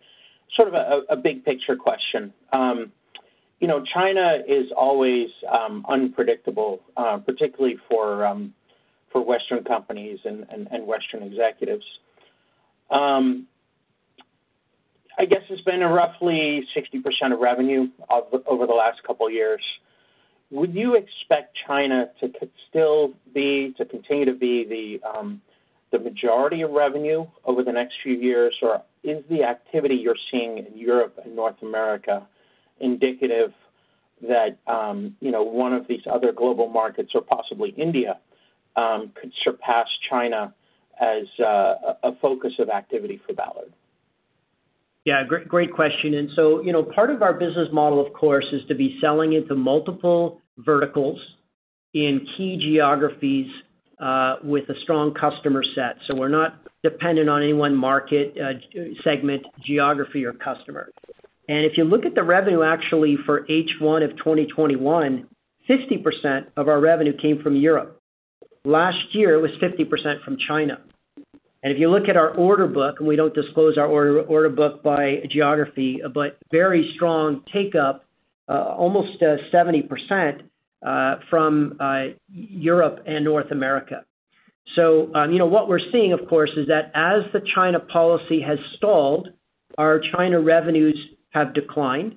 sort of a big picture question. China is always unpredictable, particularly for Western companies and Western executives. I guess it's been roughly 60% of revenue over the last couple of years. Would you expect China to continue to be the majority of revenue over the next few years? Or is the activity you're seeing in Europe and North America indicative that one of these other global markets or possibly India, could surpass China as a focus of activity for Ballard? Great question. Part of our business model, of course, is to be selling into multiple verticals in key geographies, with a strong customer set. We're not dependent on any one market, segment, geography or customer. If you look at the revenue actually for H1 of 2021, 50% of our revenue came from Europe. Last year, it was 50% from China. If you look at our order book, we don't disclose our order book by geography, but very strong take-up, almost 70% from Europe and North America. What we're seeing, of course, is that as the China policy has stalled, our China revenues have declined.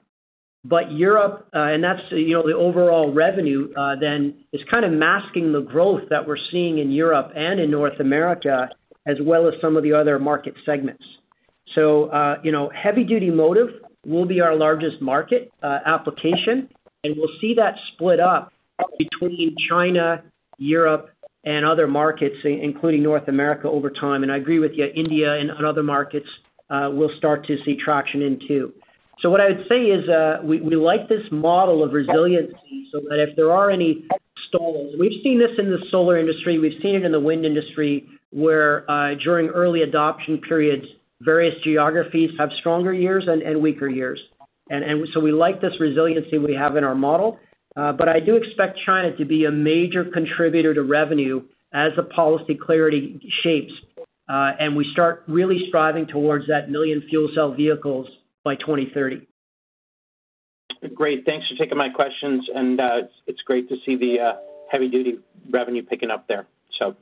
Europe, and that's the overall revenue, then is kind of masking the growth that we're seeing in Europe and in North America, as well as some of the other market segments. Heavy duty motive will be our largest market application, and we'll see that split up between China, Europe, and other markets, including North America over time. I agree with you, India and other markets, we'll start to see traction in too. What I would say is, we like this model of resiliency so that if there are any stalls, we've seen this in the solar industry, we've seen it in the wind industry, where, during early adoption periods, various geographies have stronger years and weaker years. We like this resiliency we have in our model. I do expect China to be a major contributor to revenue as the policy clarity shapes, and we start really striving towards that 1 million fuel cell vehicles by 2030. Great. Thanks for taking my questions, and it's great to see the heavy-duty revenue picking up there.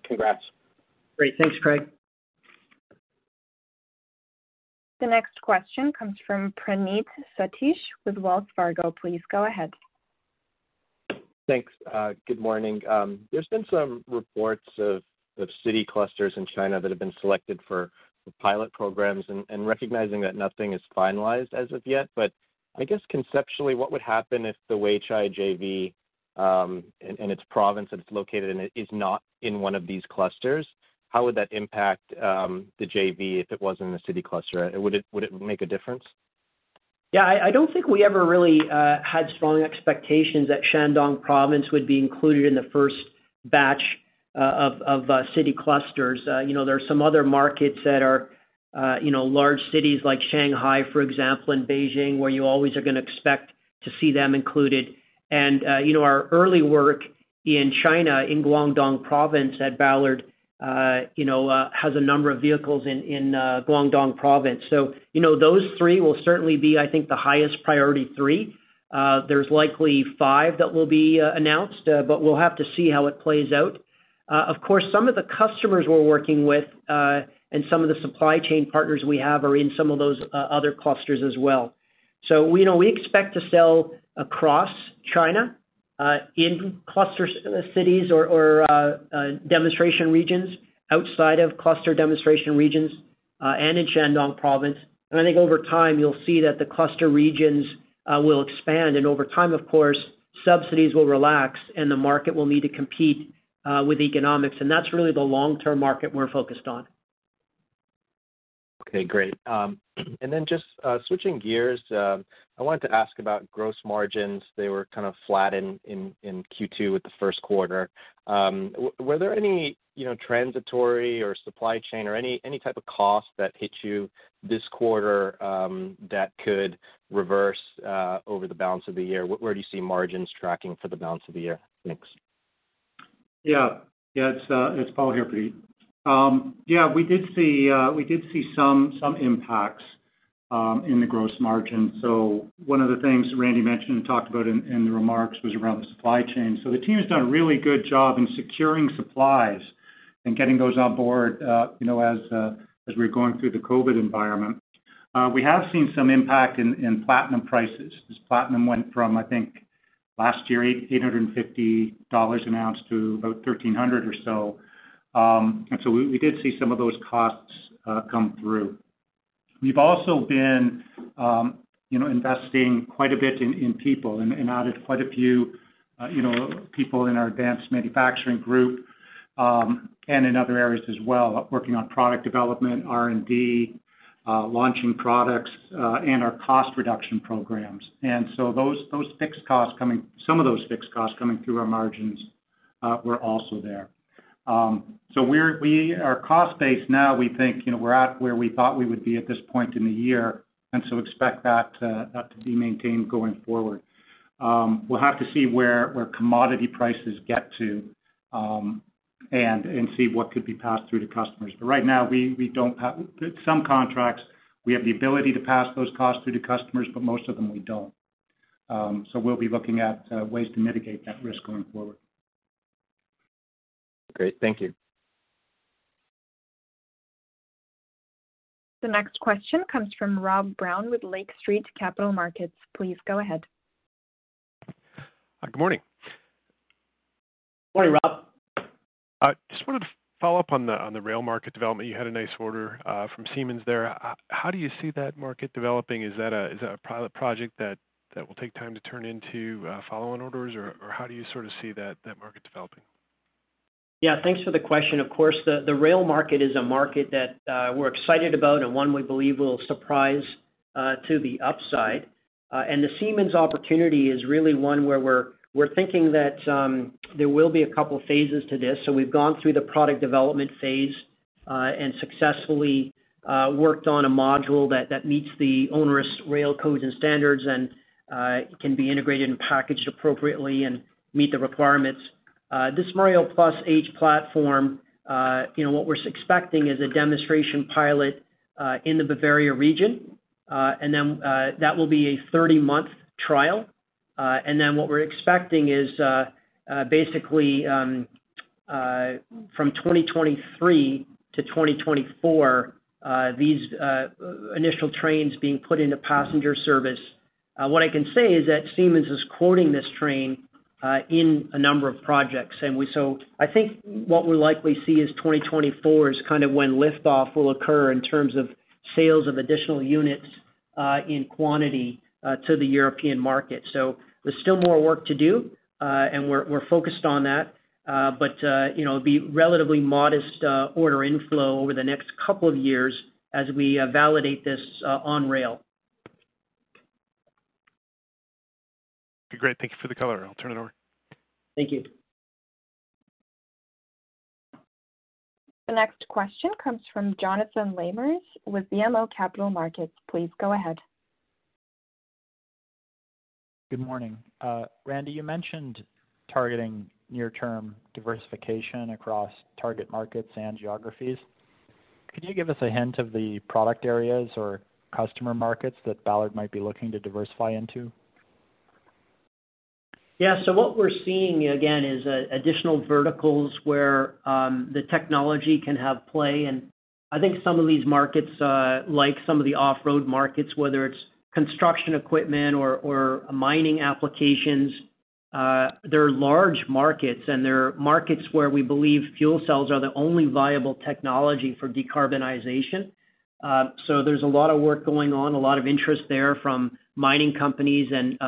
Congrats. Great. Thanks, Craig. The next question comes from Praneeth Satish with Wells Fargo. Please go ahead. Thanks, good morning. There's been some reports of city clusters in China that have been selected for pilot programs, and recognizing that nothing is finalized as of yet, but I guess conceptually, what would happen if the Weichai JV, and its province that it's located in is not in one of these clusters, how would that impact the JV if it wasn't in the city cluster? Would it make a difference? Yeah, I don't think we ever really had strong expectations that Shandong Province would be included in the first batch of city clusters. There are some other markets that are large cities like Shanghai, for example, and Beijing, where you always are gonna expect to see them included. Our early work in China, in Guangdong Province at Ballard, has a number of vehicles in Guangdong Province. Those three will certainly be, I think, the highest priority three. There's likely five that will be announced, but we'll have to see how it plays out. Of course, some of the customers we're working with, and some of the supply chain partners we have are in some of those other clusters as well. We expect to sell across China, in cluster cities or demonstration regions outside of cluster demonstration regions, and in Shandong Province. I think over time you'll see that the cluster regions will expand, and over time, of course, subsidies will relax and the market will need to compete with economics, and that's really the long-term market we're focused on. Okay, great. Just switching gears, I wanted to ask about gross margins. They were kind of flat in Q2 with the first quarter. Were there any transitory or supply chain or any type of cost that hit you this quarter that could reverse over the balance of the year? Where do you see margins tracking for the balance of the year? Thanks. Yeah. It's Paul here, Preet. We did see some impacts in the gross margin. One of the things Randy mentioned and talked about in the remarks was around the supply chain. The team has done a really good job in securing supplies and getting those on board as we're going through the COVID environment. We have seen some impact in platinum prices, as platinum went from, I think, last year, 850 dollars an ounce to about 1,300 or so. We did see some of those costs come through. We've also been investing quite a bit in people and added quite a few people in our advanced manufacturing group, and in other areas as well, working on product development, R&D, launching products, and our cost reduction programs. Some of those fixed costs coming through our margins were also there. Our cost base now, we think we're at where we thought we would be at this point in the year, expect that to be maintained going forward. We'll have to see where commodity prices get to, and see what could be passed through to customers. Right now, some contracts, we have the ability to pass those costs through to customers, but most of them we don't. We'll be looking at ways to mitigate that risk going forward. Great. Thank you. The next question comes from Rob Brown with Lake Street Capital Markets. Please go ahead. Good morning. Morning, Rob. Just wanted to follow up on the rail market development. You had a nice order from Siemens there. How do you see that market developing? Is that a pilot project that will take time to turn into follow-on orders, or how do you sort of see that market developing? Yeah, thanks for the question. Of course, the rail market is a market that we're excited about and one we believe will surprise to the upside. The Siemens opportunity is really one where we're thinking that there will be a couple phases to this. We've gone through the product development phase, and successfully worked on a module that meets the onerous rail codes and standards, and can be integrated and packaged appropriately and meet the requirements. This Mireo Plus H platform, what we're expecting is a demonstration pilot in the Bavaria region, and then that will be a 30-month trial. What we're expecting is, basically, from 2023 to 2024, these initial trains being put into passenger service. What I can say is that Siemens is quoting this train in a number of projects. I think what we'll likely see is 2024 is kind of when liftoff will occur in terms of sales of additional units, in quantity, to the European market. There's still more work to do, and we're focused on that, but it'll be relatively modest order inflow over the next two years as we validate this on rail. Great, thank you for the color. I will turn it over. Thank you. The next question comes from Jonathan Lamers with BMO Capital Markets. Please go ahead. Good morning. Randy, you mentioned targeting near-term diversification across target markets and geographies. Could you give us a hint of the product areas or customer markets that Ballard might be looking to diversify into? What we're seeing again, is additional verticals where the technology can have play in. I think some of these markets, like some of the off-road markets, whether it's construction equipment or mining applications, they're large markets, and they're markets where we believe fuel cells are the only viable technology for decarbonization. There's a lot of work going on, a lot of interest there from mining companies and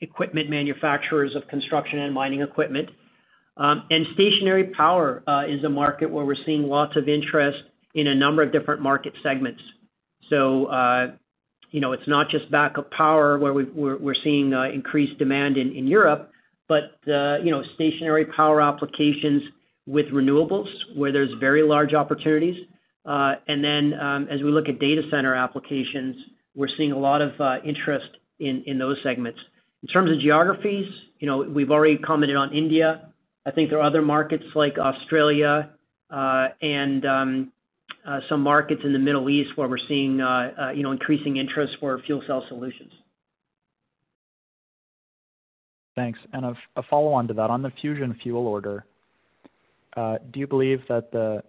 equipment manufacturers of construction and mining equipment. Stationary power is a market where we're seeing lots of interest in a number of different market segments. It's not just backup power where we're seeing increased demand in Europe, but stationary power applications with renewables, where there's very large opportunities. As we look at data center applications, we're seeing a lot of interest in those segments. In terms of geographies, we've already commented on India. I think there are other markets like Australia, and some markets in the Middle East where we're seeing increasing interest for fuel cell solutions. Thanks. A follow-on to that. On the Fusion Fuel order, do you believe that the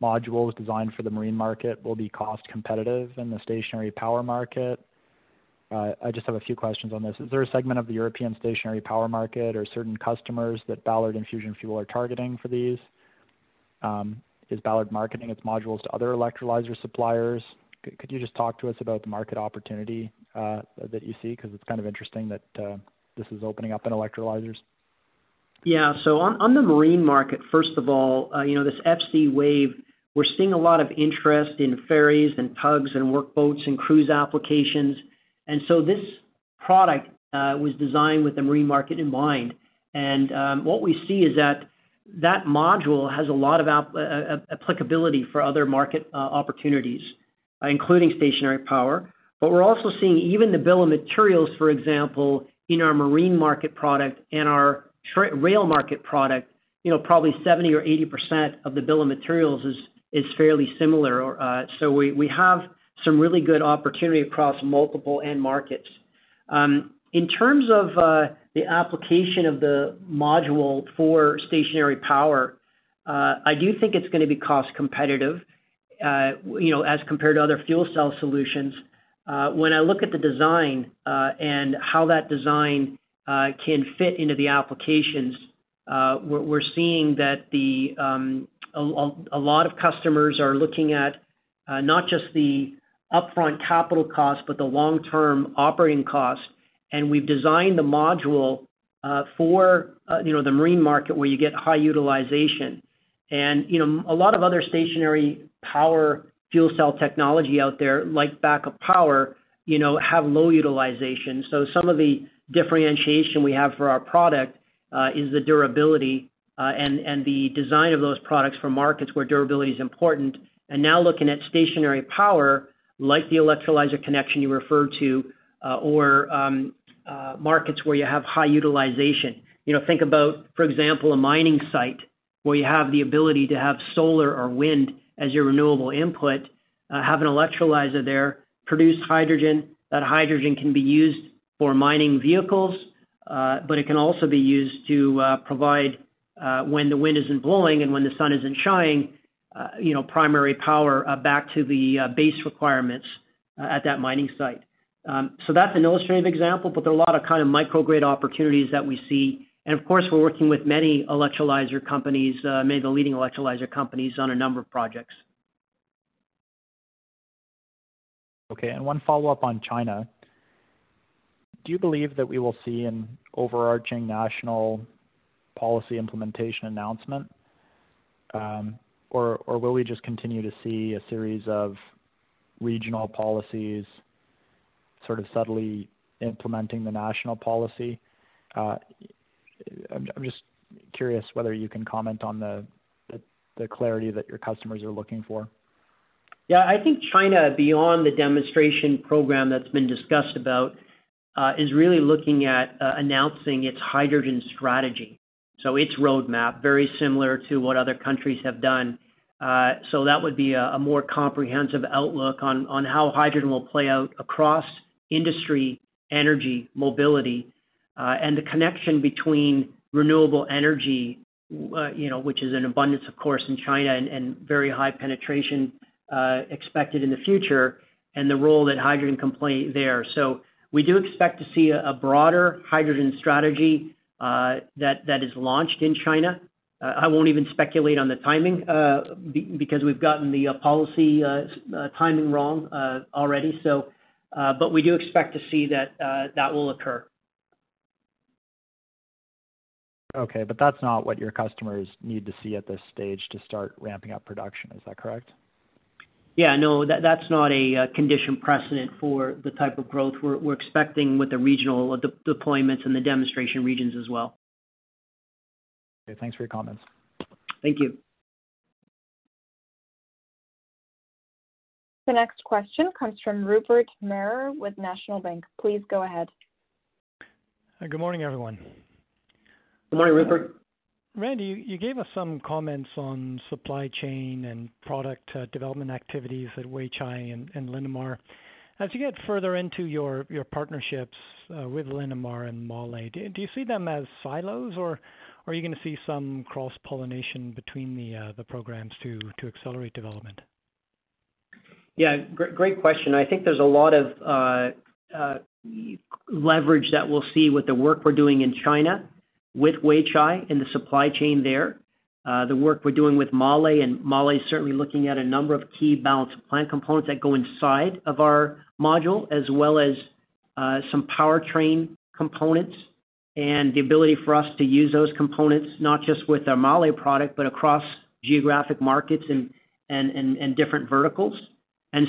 module designed for the marine market will be cost competitive in the stationary power market? I just have a few questions on this. Is there a segment of the European stationary power market or certain customers that Ballard and Fusion Fuel are targeting for these? Is Ballard marketing its modules to other electrolyzer suppliers? Could you just talk to us about the market opportunity that you see, because it's kind of interesting that this is opening up in electrolyzers? Yeah. On the marine market, first of all, this FCwave, we're seeing a lot of interest in ferries and tugs and work boats and cruise applications. This product was designed with the marine market in mind, and what we see is that module has a lot of applicability for other market opportunities, including stationary power. We're also seeing even the bill of materials, for example, in our marine market product and our rail market product, probably 70% or 80% of the bill of materials is fairly similar. We have some really good opportunity across multiple end markets. In terms of the application of the module for stationary power, I do think it's going to be cost competitive, as compared to other fuel cell solutions. When I look at the design, and how that design can fit into the applications, we are seeing that a lot of customers are looking at not just the upfront capital cost, but the long-term operating cost. We have designed the module for the marine market, where you get high utilization. A lot of other stationary power fuel cell technology out there, like backup power, have low utilization. Some of the differentiation we have for our product is the durability, and the design of those products for markets where durability is important. Now looking at stationary power, like the electrolyzer connection you referred to, or markets where you have high utilization. Think about, for example, a mining site where you have the ability to have solar or wind as your renewable input, have an electrolyzer there, produce hydrogen. That hydrogen can be used for mining vehicles, it can also be used to provide, when the wind isn't blowing and when the sun isn't shining, primary power back to the base requirements at that mining site. That's an illustrative example, but there are a lot of microgrid opportunities that we see. Of course, we're working with many electrolyzer companies, many of the leading electrolyzer companies, on a number of projects. Okay, one follow-up on China. Do you believe that we will see an overarching national policy implementation announcement? Will we just continue to see a series of regional policies sort of subtly implementing the national policy? I am just curious whether you can comment on the clarity that your customers are looking for. Yeah, I think China, beyond the demonstration program that's been discussed about, is really looking at announcing its hydrogen strategy. Its roadmap, very similar to what other countries have done. That would be a more comprehensive outlook on how hydrogen will play out across industry, energy, mobility. The connection between renewable energy, which is in abundance, of course, in China, and very high penetration expected in the future, and the role that hydrogen can play there. We do expect to see a broader hydrogen strategy that is launched in China. I won't even speculate on the timing, because we've gotten the policy timing wrong already, but we do expect to see that that will occur. Okay, that's not what your customers need to see at this stage to start ramping up production. Is that correct? Yeah, no. That's not a condition precedent for the type of growth we're expecting with the regional deployments and the demonstration regions as well. Okay, thanks for your comments. Thank you. The next question comes from Rupert Merer with National Bank. Please go ahead. Good morning, everyone. Good morning, Rupert. Randy, you gave us some comments on supply chain and product development activities at Weichai and Linamar. As you get further into your partnerships with Linamar and MAHLE, do you see them as silos, or are you going to see some cross-pollination between the programs to accelerate development? Yeah, great question. I think there's a lot of leverage that we'll see with the work we're doing in China with Weichai and the supply chain there. The work we're doing with MAHLE is certainly looking at a number of key balance of plant components that go inside of our module, as well as some powertrain components, and the ability for us to use those components not just with our MAHLE product, but across geographic markets and different verticals.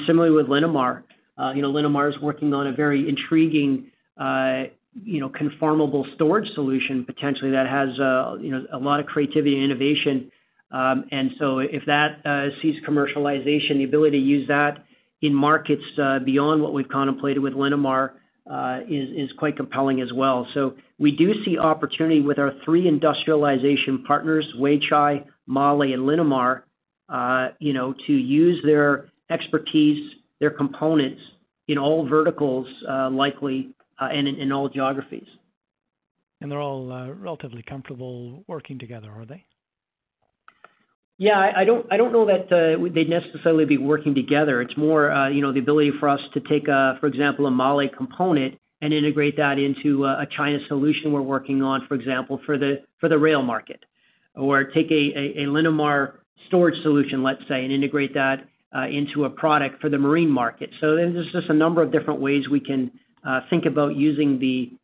Similarly with Linamar, Linamar is working on a very intriguing conformable storage solution, potentially, that has a lot of creativity and innovation. If that sees commercialization, the ability for us to use that in markets beyond what we've contemplated with Linamar is quite compelling as well. We do see opportunity with our three industrialization partners, Weichai, MAHLE, and Linamar, to use their expertise, their components in all verticals, likely, and in all geographies. They're all relatively comfortable working together, are they? Yeah, I don't know that they'd necessarily be working together. It's more the ability for us to take, for example, a MAHLE component and integrate that into a China solution we're working on, for example, for the rail market. Take a Linamar storage solution, let's say, and integrate that into a product for the marine market. There's just a number of different ways we can think about using the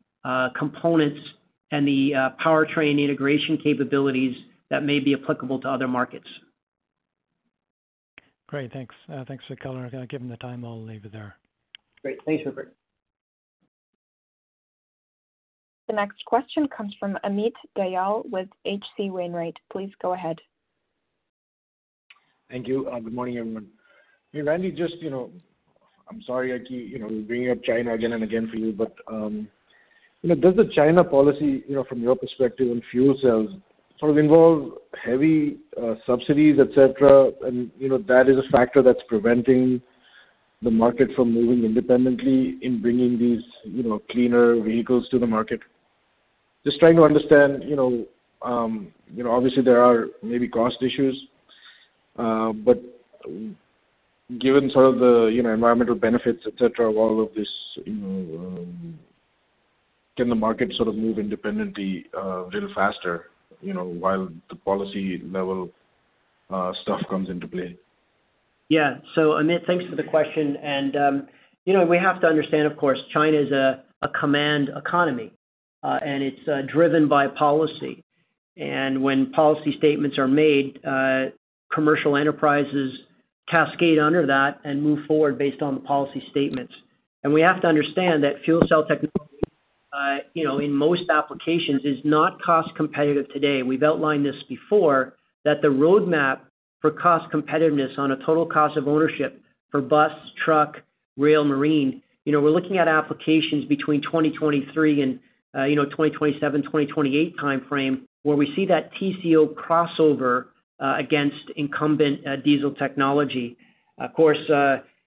components and the powertrain integration capabilities that may be applicable to other markets. Great. Thanks. Thanks for color. Given the time, I'll leave it there. Great. Thanks, Rupert. The next question comes from Amit Dayal with H.C. Wainwright. Please go ahead. Thank you, and good morning, everyone. Randy, I'm sorry, bringing up China again and again for you, but does the China policy from your perspective on fuel cells sort of involve heavy subsidies, et cetera, and that is a factor that's preventing the market from moving independently in bringing these cleaner vehicles to the market? Just trying to understand, obviously there are maybe cost issues. Given sort of the environmental benefits, et cetera, of all of this, can the market sort of move independently a little faster, while the policy level stuff comes into play? Yeah. Amit, thanks for the question and we have to understand, of course, China's a command economy, and it's driven by policy. When policy statements are made, commercial enterprises cascade under that and move forward based on the policy statements. We have to understand that fuel cell technology, in most applications, is not cost competitive today. We've outlined this before, that the roadmap for cost competitiveness on a total cost of ownership for bus, truck, rail, marine, we're looking at applications between 2023 and 2027, 2028 timeframe, where we see that TCO crossover against incumbent diesel technology. Of course,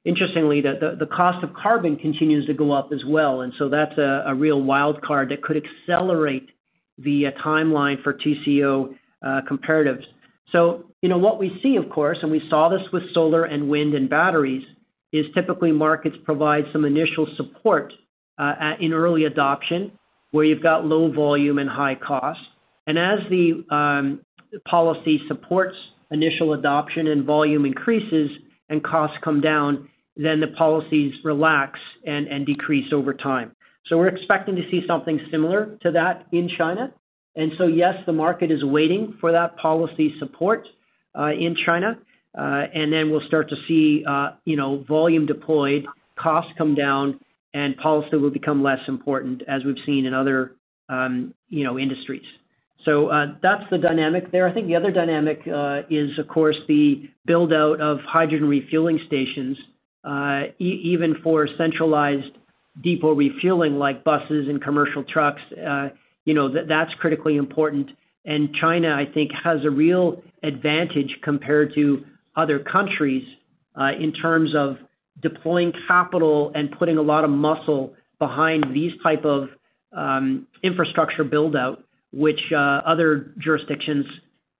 interestingly, the cost of carbon continues to go up as well, and so that's a real wild card that could accelerate the timeline for TCO comparatives. What we see, of course, and we saw this with solar and wind and batteries, is typically markets provide some initial support in early adoption, where you've got low volume and high cost. As the policy supports initial adoption and volume increases and costs come down, then the policies relax and decrease over time. We're expecting to see something similar to that in China. Yes, the market is waiting for that policy support in China. Then we'll start to see volume deployed, costs come down, and policy will become less important, as we've seen in other industries. That's the dynamic there. I think the other dynamic is, of course, the build-out of hydrogen refueling stations, even for centralized depot refueling like buses and commercial trucks. That's critically important, and China, I think, has a real advantage compared to other countries, in terms of deploying capital and putting a lot of muscle behind these type of infrastructure build-out, which other jurisdictions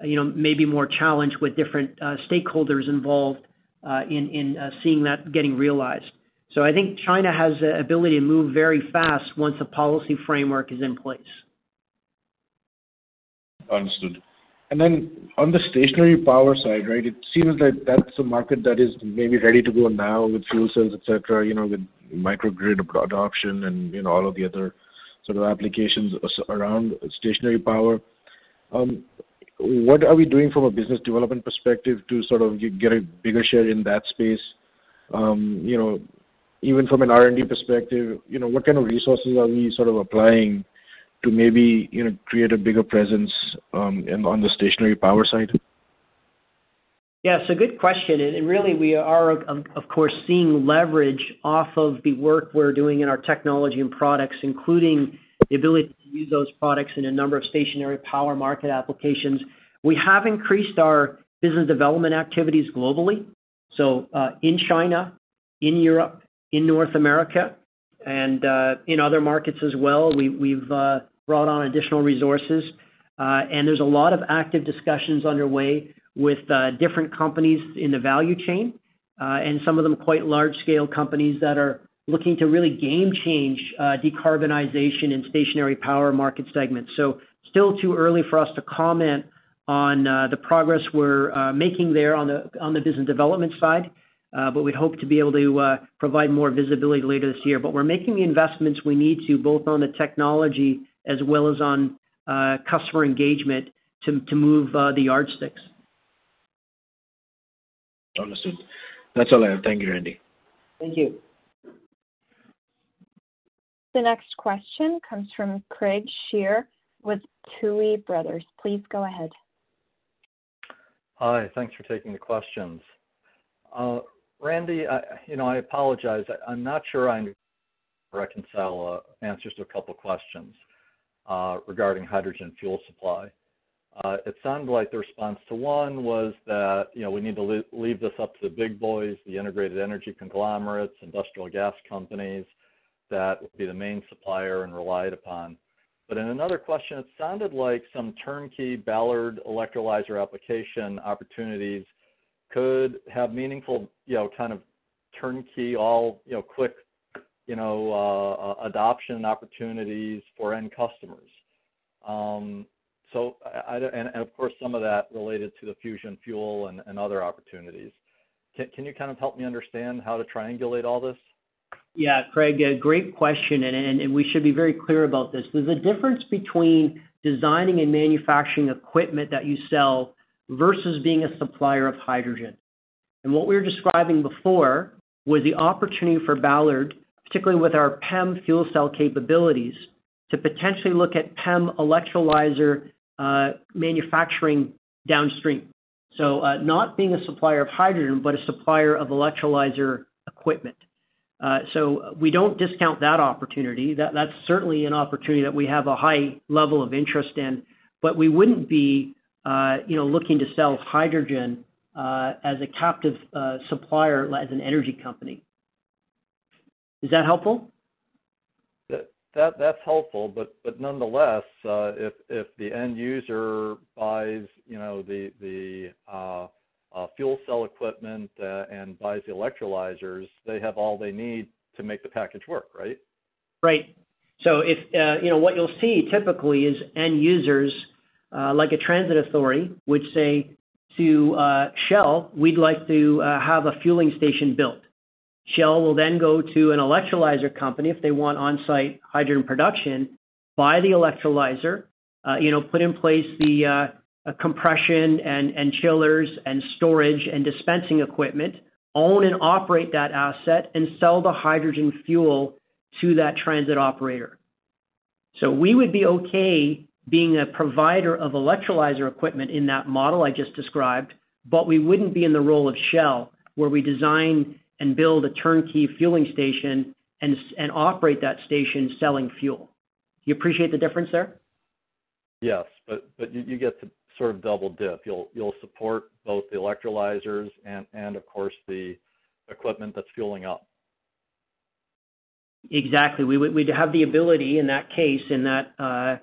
may be more challenged with different stakeholders involved, in seeing that getting realized. I think China has the ability to move very fast once a policy framework is in place. Understood. On the stationary power side, right? It seems that that's a market that is maybe ready to go now with fuel cells, et cetera, with microgrid adoption and all of the other sort of applications around stationary power. What are we doing from a business development perspective to sort of get a bigger share in that space? Even from an R&D perspective, what kind of resources are we sort of applying to maybe create a bigger presence on the stationary power side? Yeah, it's a good question, really we are of course seeing leverage off of the work we're doing in our technology and products, including the ability to use those products in a number of stationary power market applications. We have increased our business development activities globally. In China, in Europe, in North America, and in other markets as well, we've brought on additional resources. There's a lot of active discussions underway with different companies in the value chain. Some of them quite large-scale companies that are looking to really game change decarbonization and stationary power market segments. Still too early for us to comment on the progress we're making there on the business development side. We'd hope to be able to provide more visibility later this year. We're making the investments we need to, both on the technology as well as on customer engagement to move the yardsticks. Understood. That's all I have, thank you, Randy. Thank you. The next question comes from Craig Shere with Tuohy Brothers. Please go ahead. Hi. Thanks for taking the questions. Randy, I apologize, I'm not sure I can reconcile answers to a couple questions regarding hydrogen fuel supply. It sounded like the response to one was that we need to leave this up to the big boys, the integrated energy conglomerates, industrial gas companies that would be the main supplier and relied upon. In another question, it sounded like some turnkey Ballard electrolyzer application opportunities could have meaningful kind of turnkey all quick adoption opportunities for end customers. Of course, some of that related to the Fusion Fuel and other opportunities. Can you kind of help me understand how to triangulate all this? Yeah, Craig, great question, and we should be very clear about this. There's a difference between designing and manufacturing equipment that you sell versus being a supplier of hydrogen. What we were describing before was the opportunity for Ballard, particularly with our PEM fuel cell capabilities, to potentially look at PEM electrolyzer manufacturing downstream. Not being a supplier of hydrogen, but a supplier of electrolyzer equipment. We don't discount that opportunity. That's certainly an opportunity that we have a high level of interest in, but we wouldn't be looking to sell hydrogen as a captive supplier, as an energy company. Is that helpful? That's helpful, but nonetheless, if the end user buys the fuel cell equipment, and buys the electrolyzers, they have all they need to make the package work, right? Right. What you'll see typically is end users, like a transit authority, would say to Shell, "We'd like to have a fueling station built." Shell will go to an electrolyzer company if they want onsite hydrogen production, buy the electrolyzer, put in place the compression and chillers and storage and dispensing equipment, own and operate that asset, and sell the hydrogen fuel to that transit operator. We would be okay being a provider of electrolyzer equipment in that model I just described, but we wouldn't be in the role of Shell, where we design and build a turnkey fueling station and operate that station selling fuel. Do you appreciate the difference there? Yes, but you get to sort of double dip. You'll support both the electrolyzers and of course, the equipment that's fueling up. Exactly. We'd have the ability in that case, in that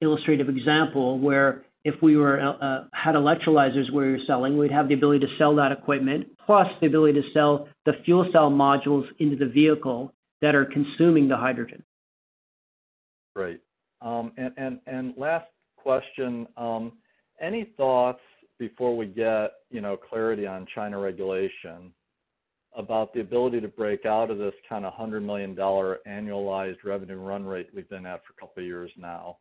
illustrative example, where if we had electrolyzers we were selling, we'd have the ability to sell that equipment, plus the ability to sell the fuel cell modules into the vehicle that are consuming the hydrogen. Right. Last question, any thoughts before we get clarity on China regulation about the ability to break out of this kind of $100 million annualized revenue run rate we've been at for a couple of years now?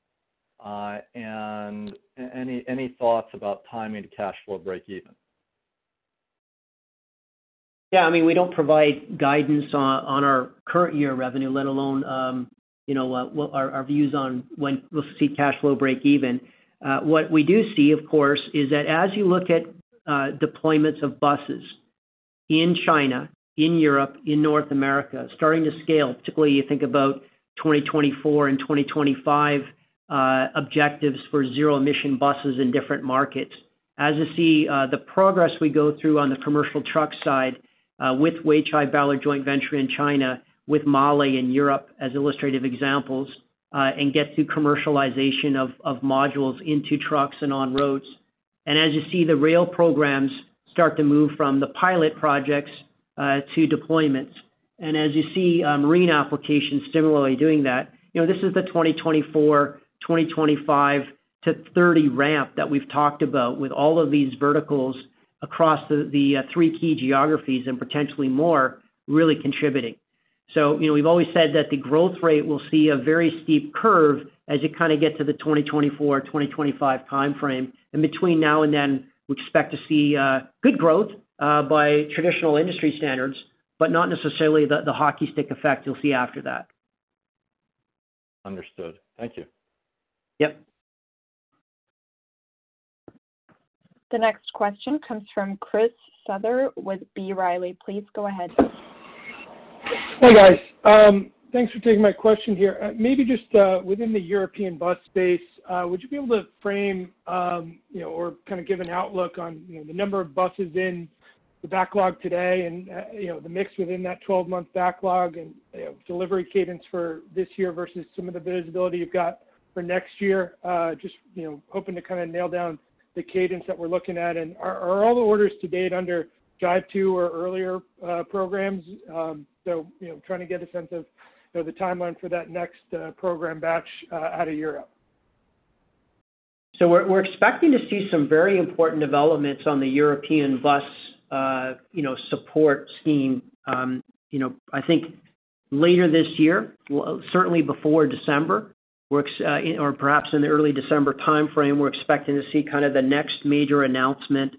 Any thoughts about timing to cash flow breakeven? We don't provide guidance on our current year revenue, let alone our views on when we'll see cash flow breakeven. We do see, of course, is that as you look at deployments of buses in China, in Europe, in North America, starting to scale, particularly you think about 2024 and 2025, objectives for zero-emission buses in different markets. As you see the progress we go through on the commercial truck side, with Weichai Power joint venture in China, with MAHLE in Europe as illustrative examples, and get to commercialization of modules into trucks and on roads. As you see the rail programs start to move from the pilot projects, to deployments, and as you see marine applications similarly doing that, this is the 2024, 2025 to 2030 ramp that we've talked about with all of these verticals across the three key geographies and potentially more really contributing. We've always said that the growth rate will see a very steep curve as you kind of get to the 2024, 2025 timeframe. In between now and then, we expect to see good growth by traditional industry standards, but not necessarily the hockey stick effect you'll see after that. Understood. Thank you. Yep. The next question comes from Chris Souther with B. Riley. Please go ahead. Hey, guys. Thanks for taking my question here. Maybe just within the European bus space, would you be able to frame, or kind of give an outlook on the number of buses in the backlog today and the mix within that 12-month backlog and delivery cadence for this year versus some of the visibility you've got for next year? Just hoping to kind of nail down the cadence that we're looking at. Are all the orders to date under JIVE 2 or earlier programs? Trying to get a sense of the timeline for that next program batch out of Europe. We're expecting to see some very important developments on the European bus support scheme. I think later this year, certainly before December, or perhaps in the early December timeframe, we're expecting to see the next major announcement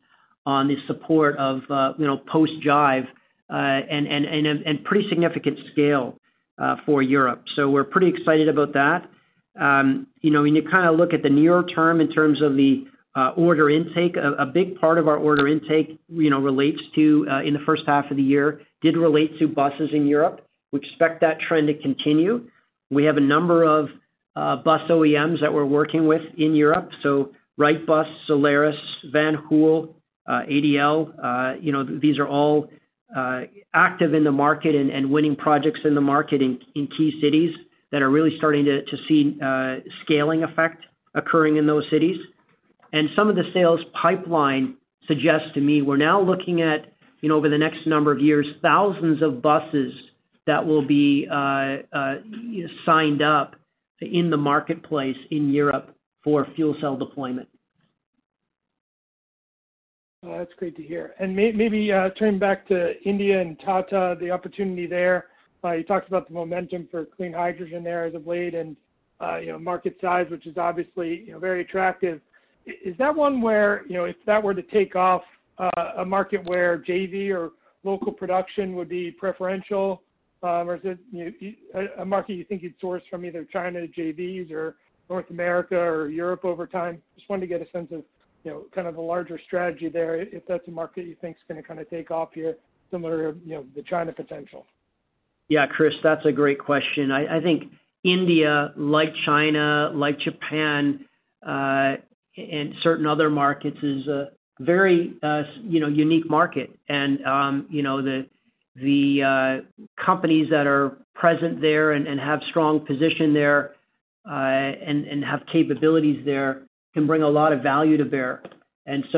on the support of post JIVE, and pretty significant scale for Europe. We're pretty excited about that. When you look at the near term in terms of the order intake, a big part of our order intake relates to, in the first half of the year, did relate to buses in Europe. We expect that trend to continue. We have a number of bus OEMs that we're working with in Europe, so Wrightbus, Solaris, Van Hool, ADL, these are all active in the market and winning projects in the market in key cities that are really starting to see scaling effect occurring in those cities. Some of the sales pipeline suggests to me we're now looking at, over the next number of years, thousands of buses that will be signed up in the marketplace in Europe for fuel cell deployment. That's great to hear. Maybe turning back to India and Tata, the opportunity there. You talked about the momentum for clean hydrogen there as of late and market size, which is obviously very attractive. Is that one where, if that were to take off, a market where JV or local production would be preferential? Is it a market you think you'd source from either China JVs or North America or Europe over time? Just wanted to get a sense of the larger strategy there, if that's a market you think is going to take off here similar to the China potential. Yeah, Chris, that's a great question. I think India, like China, like Japan, and certain other markets, is a very unique market. The companies that are present there and have strong position there and have capabilities there can bring a lot of value to bear.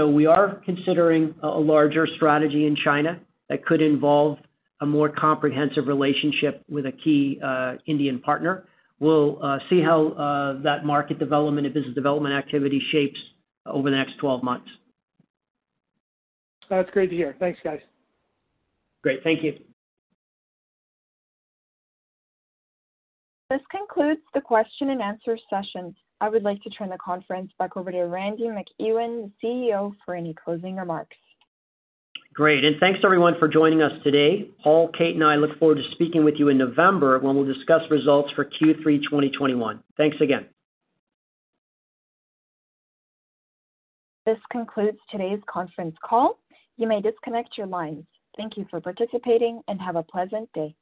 We are considering a larger strategy in China that could involve a more comprehensive relationship with a key Indian partner. We'll see how that market development and business development activity shapes over the next 12 months. That's great to hear. Thanks, guys. Great. Thank you. This concludes the question and answer session. I would like to turn the conference back over to Randy MacEwen, CEO, for any closing remarks. Great. Thanks to everyone for joining us today. Paul, Kate, and I look forward to speaking with you in November when we'll discuss results for Q3 2021. Thanks again. This concludes today's conference call. You may disconnect your lines. Thank you for participating, and have a pleasant day.